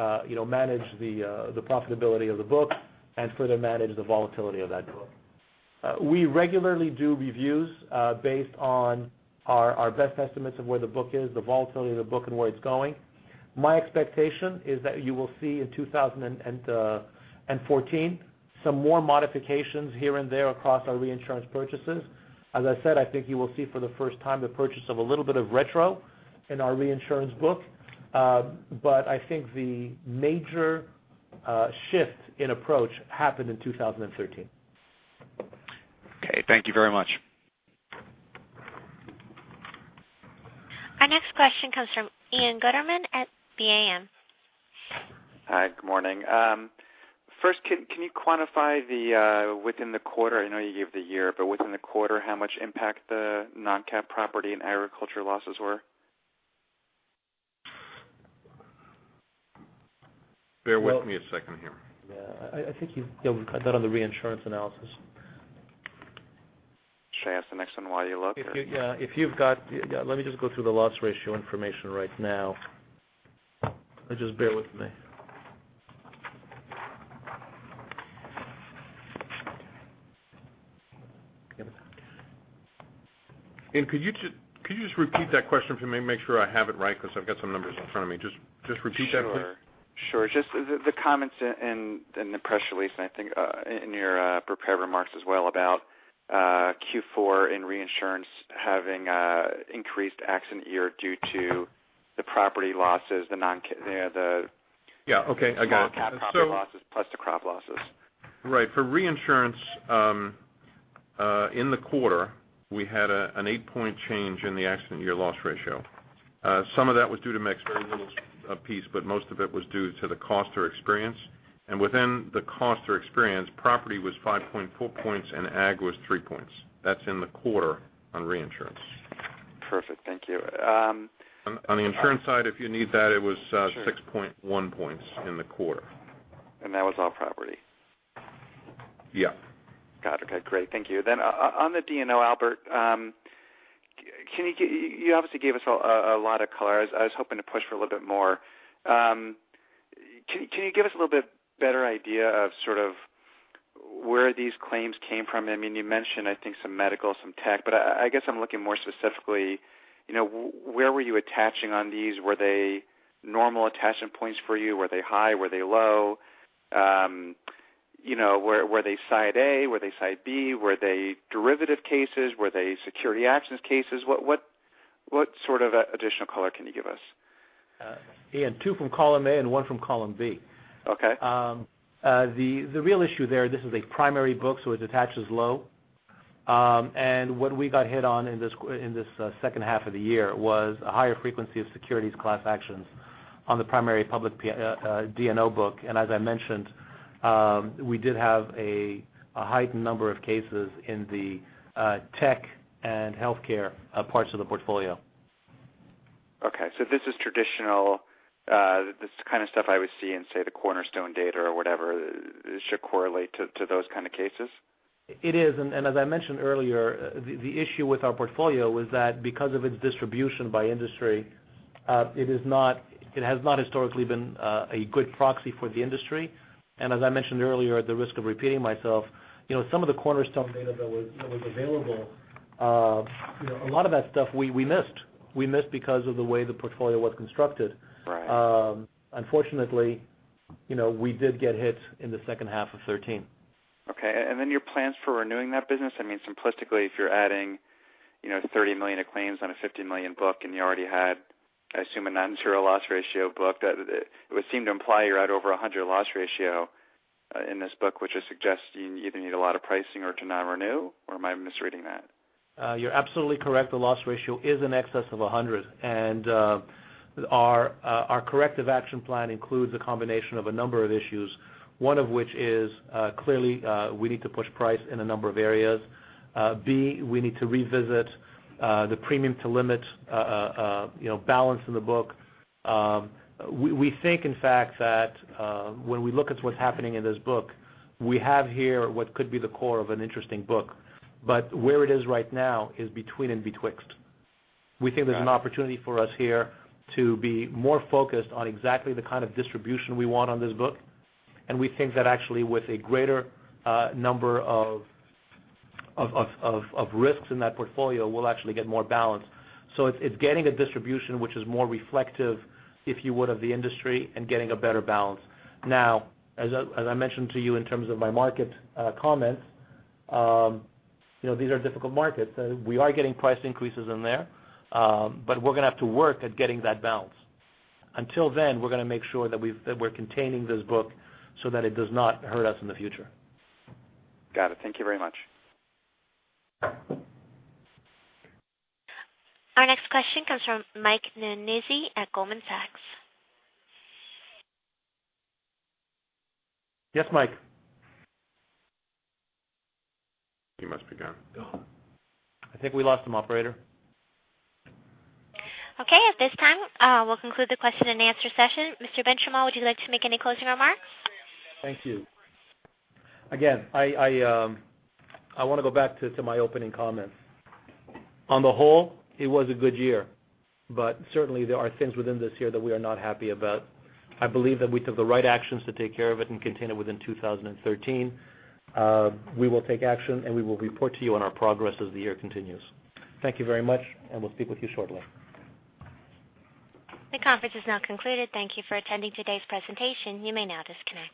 manage the profitability of the book and further manage the volatility of that book. We regularly do reviews based on our best estimates of where the book is, the volatility of the book, and where it's going. My expectation is that you will see in 2014 some more modifications here and there across our reinsurance purchases. As I said, I think you will see for the first time the purchase of a little bit of retrocession in our reinsurance book. I think the major shift in approach happened in 2013. Okay. Thank you very much. Our next question comes from Ian Gutterman at BAM. Hi. Good morning. First, can you quantify within the quarter, I know you gave the year, but within the quarter, how much impact the non-cat property and agriculture losses were? Bear with me a second here. I think you've done on the reinsurance analysis. Should I ask the next one while you look? Let me just go through the loss ratio information right now. Just bear with me. Ian, could you just repeat that question for me, make sure I have it right, because I've got some numbers in front of me. Just repeat that, please. Sure. Just the comments in the press release, and I think in your prepared remarks as well, about Q4 in reinsurance having increased accident year due to the property losses. Yeah. Okay. I got it. Non-cat property losses plus the crop losses. Right. For reinsurance, in the quarter, we had an eight-point change in the accident year loss ratio. Some of that was due to mix, very little piece, but most of it was due to the cost or experience. Within the cost or experience, property was 5.4 points and ag was three points. That's in the quarter on reinsurance. Perfect. Thank you. On the insurance side, if you need that, it was 6.1 points in the quarter. That was all property? Yeah. Got it. Okay, great. Thank you. On the D&O, Albert, you obviously gave us a lot of color. I was hoping to push for a little bit more. Can you give us a little bit better idea of sort of where these claims came from? You mentioned I think some medical, some tech, but I guess I am looking more specifically, where were you attaching on these? Were they normal attachment points for you? Were they high? Were they low? Were they Side A? Were they Side B? Were they derivative cases? Were they security actions cases? What sort of additional color can you give us? Ian, two from Column A and one from Column B. Okay. The real issue there, this is a primary book, it attaches low. What we got hit on in this second half of the year was a higher frequency of securities class actions on the primary public D&O book. As I mentioned, we did have a heightened number of cases in the tech and healthcare parts of the portfolio. Okay, this is traditional, this is the kind of stuff I would see in, say, the Cornerstone data or whatever. This should correlate to those kind of cases? It is, as I mentioned earlier, the issue with our portfolio was that because of its distribution by industry, it has not historically been a good proxy for the industry. As I mentioned earlier, at the risk of repeating myself, some of the Cornerstone data that was available, a lot of that stuff we missed. We missed because of the way the portfolio was constructed. Right. Unfortunately, we did get hit in the second half of 2013. Okay. Your plans for renewing that business, simplistically, if you're adding $30 million of claims on a $50 million book and you already had, I assume, a non-zero loss ratio book, it would seem to imply you're at over 100% loss ratio in this book, which would suggest you either need a lot of pricing or to not renew, or am I misreading that? You're absolutely correct. The loss ratio is in excess of 100%, our corrective action plan includes a combination of a number of issues, one of which is, clearly, we need to push price in a number of areas. B, we need to revisit the premium to limit balance in the book. We think, in fact, that when we look at what's happening in this book, we have here what could be the core of an interesting book. Where it is right now is between and betwixt. We think there's an opportunity for us here to be more focused on exactly the kind of distribution we want on this book, we think that actually with a greater number of risks in that portfolio, we'll actually get more balance. It's getting a distribution which is more reflective, if you would, of the industry and getting a better balance. Now, as I mentioned to you in terms of my market comments, these are difficult markets. We are getting price increases in there, but we're going to have to work at getting that balance. Until then, we're going to make sure that we're containing this book so that it does not hurt us in the future. Got it. Thank you very much. Our next question comes from Mike Nannizzi at Goldman Sachs. Yes, Mike. He must be gone. I think we lost him, operator. Okay. At this time, we'll conclude the question and answer session. Mr. Benchimol, would you like to make any closing remarks? Thank you. Again, I want to go back to my opening comments. On the whole, it was a good year, but certainly there are things within this year that we are not happy about. I believe that we took the right actions to take care of it and contain it within 2013. We will take action and we will report to you on our progress as the year continues. Thank you very much, and we'll speak with you shortly. The conference is now concluded. Thank you for attending today's presentation. You may now disconnect.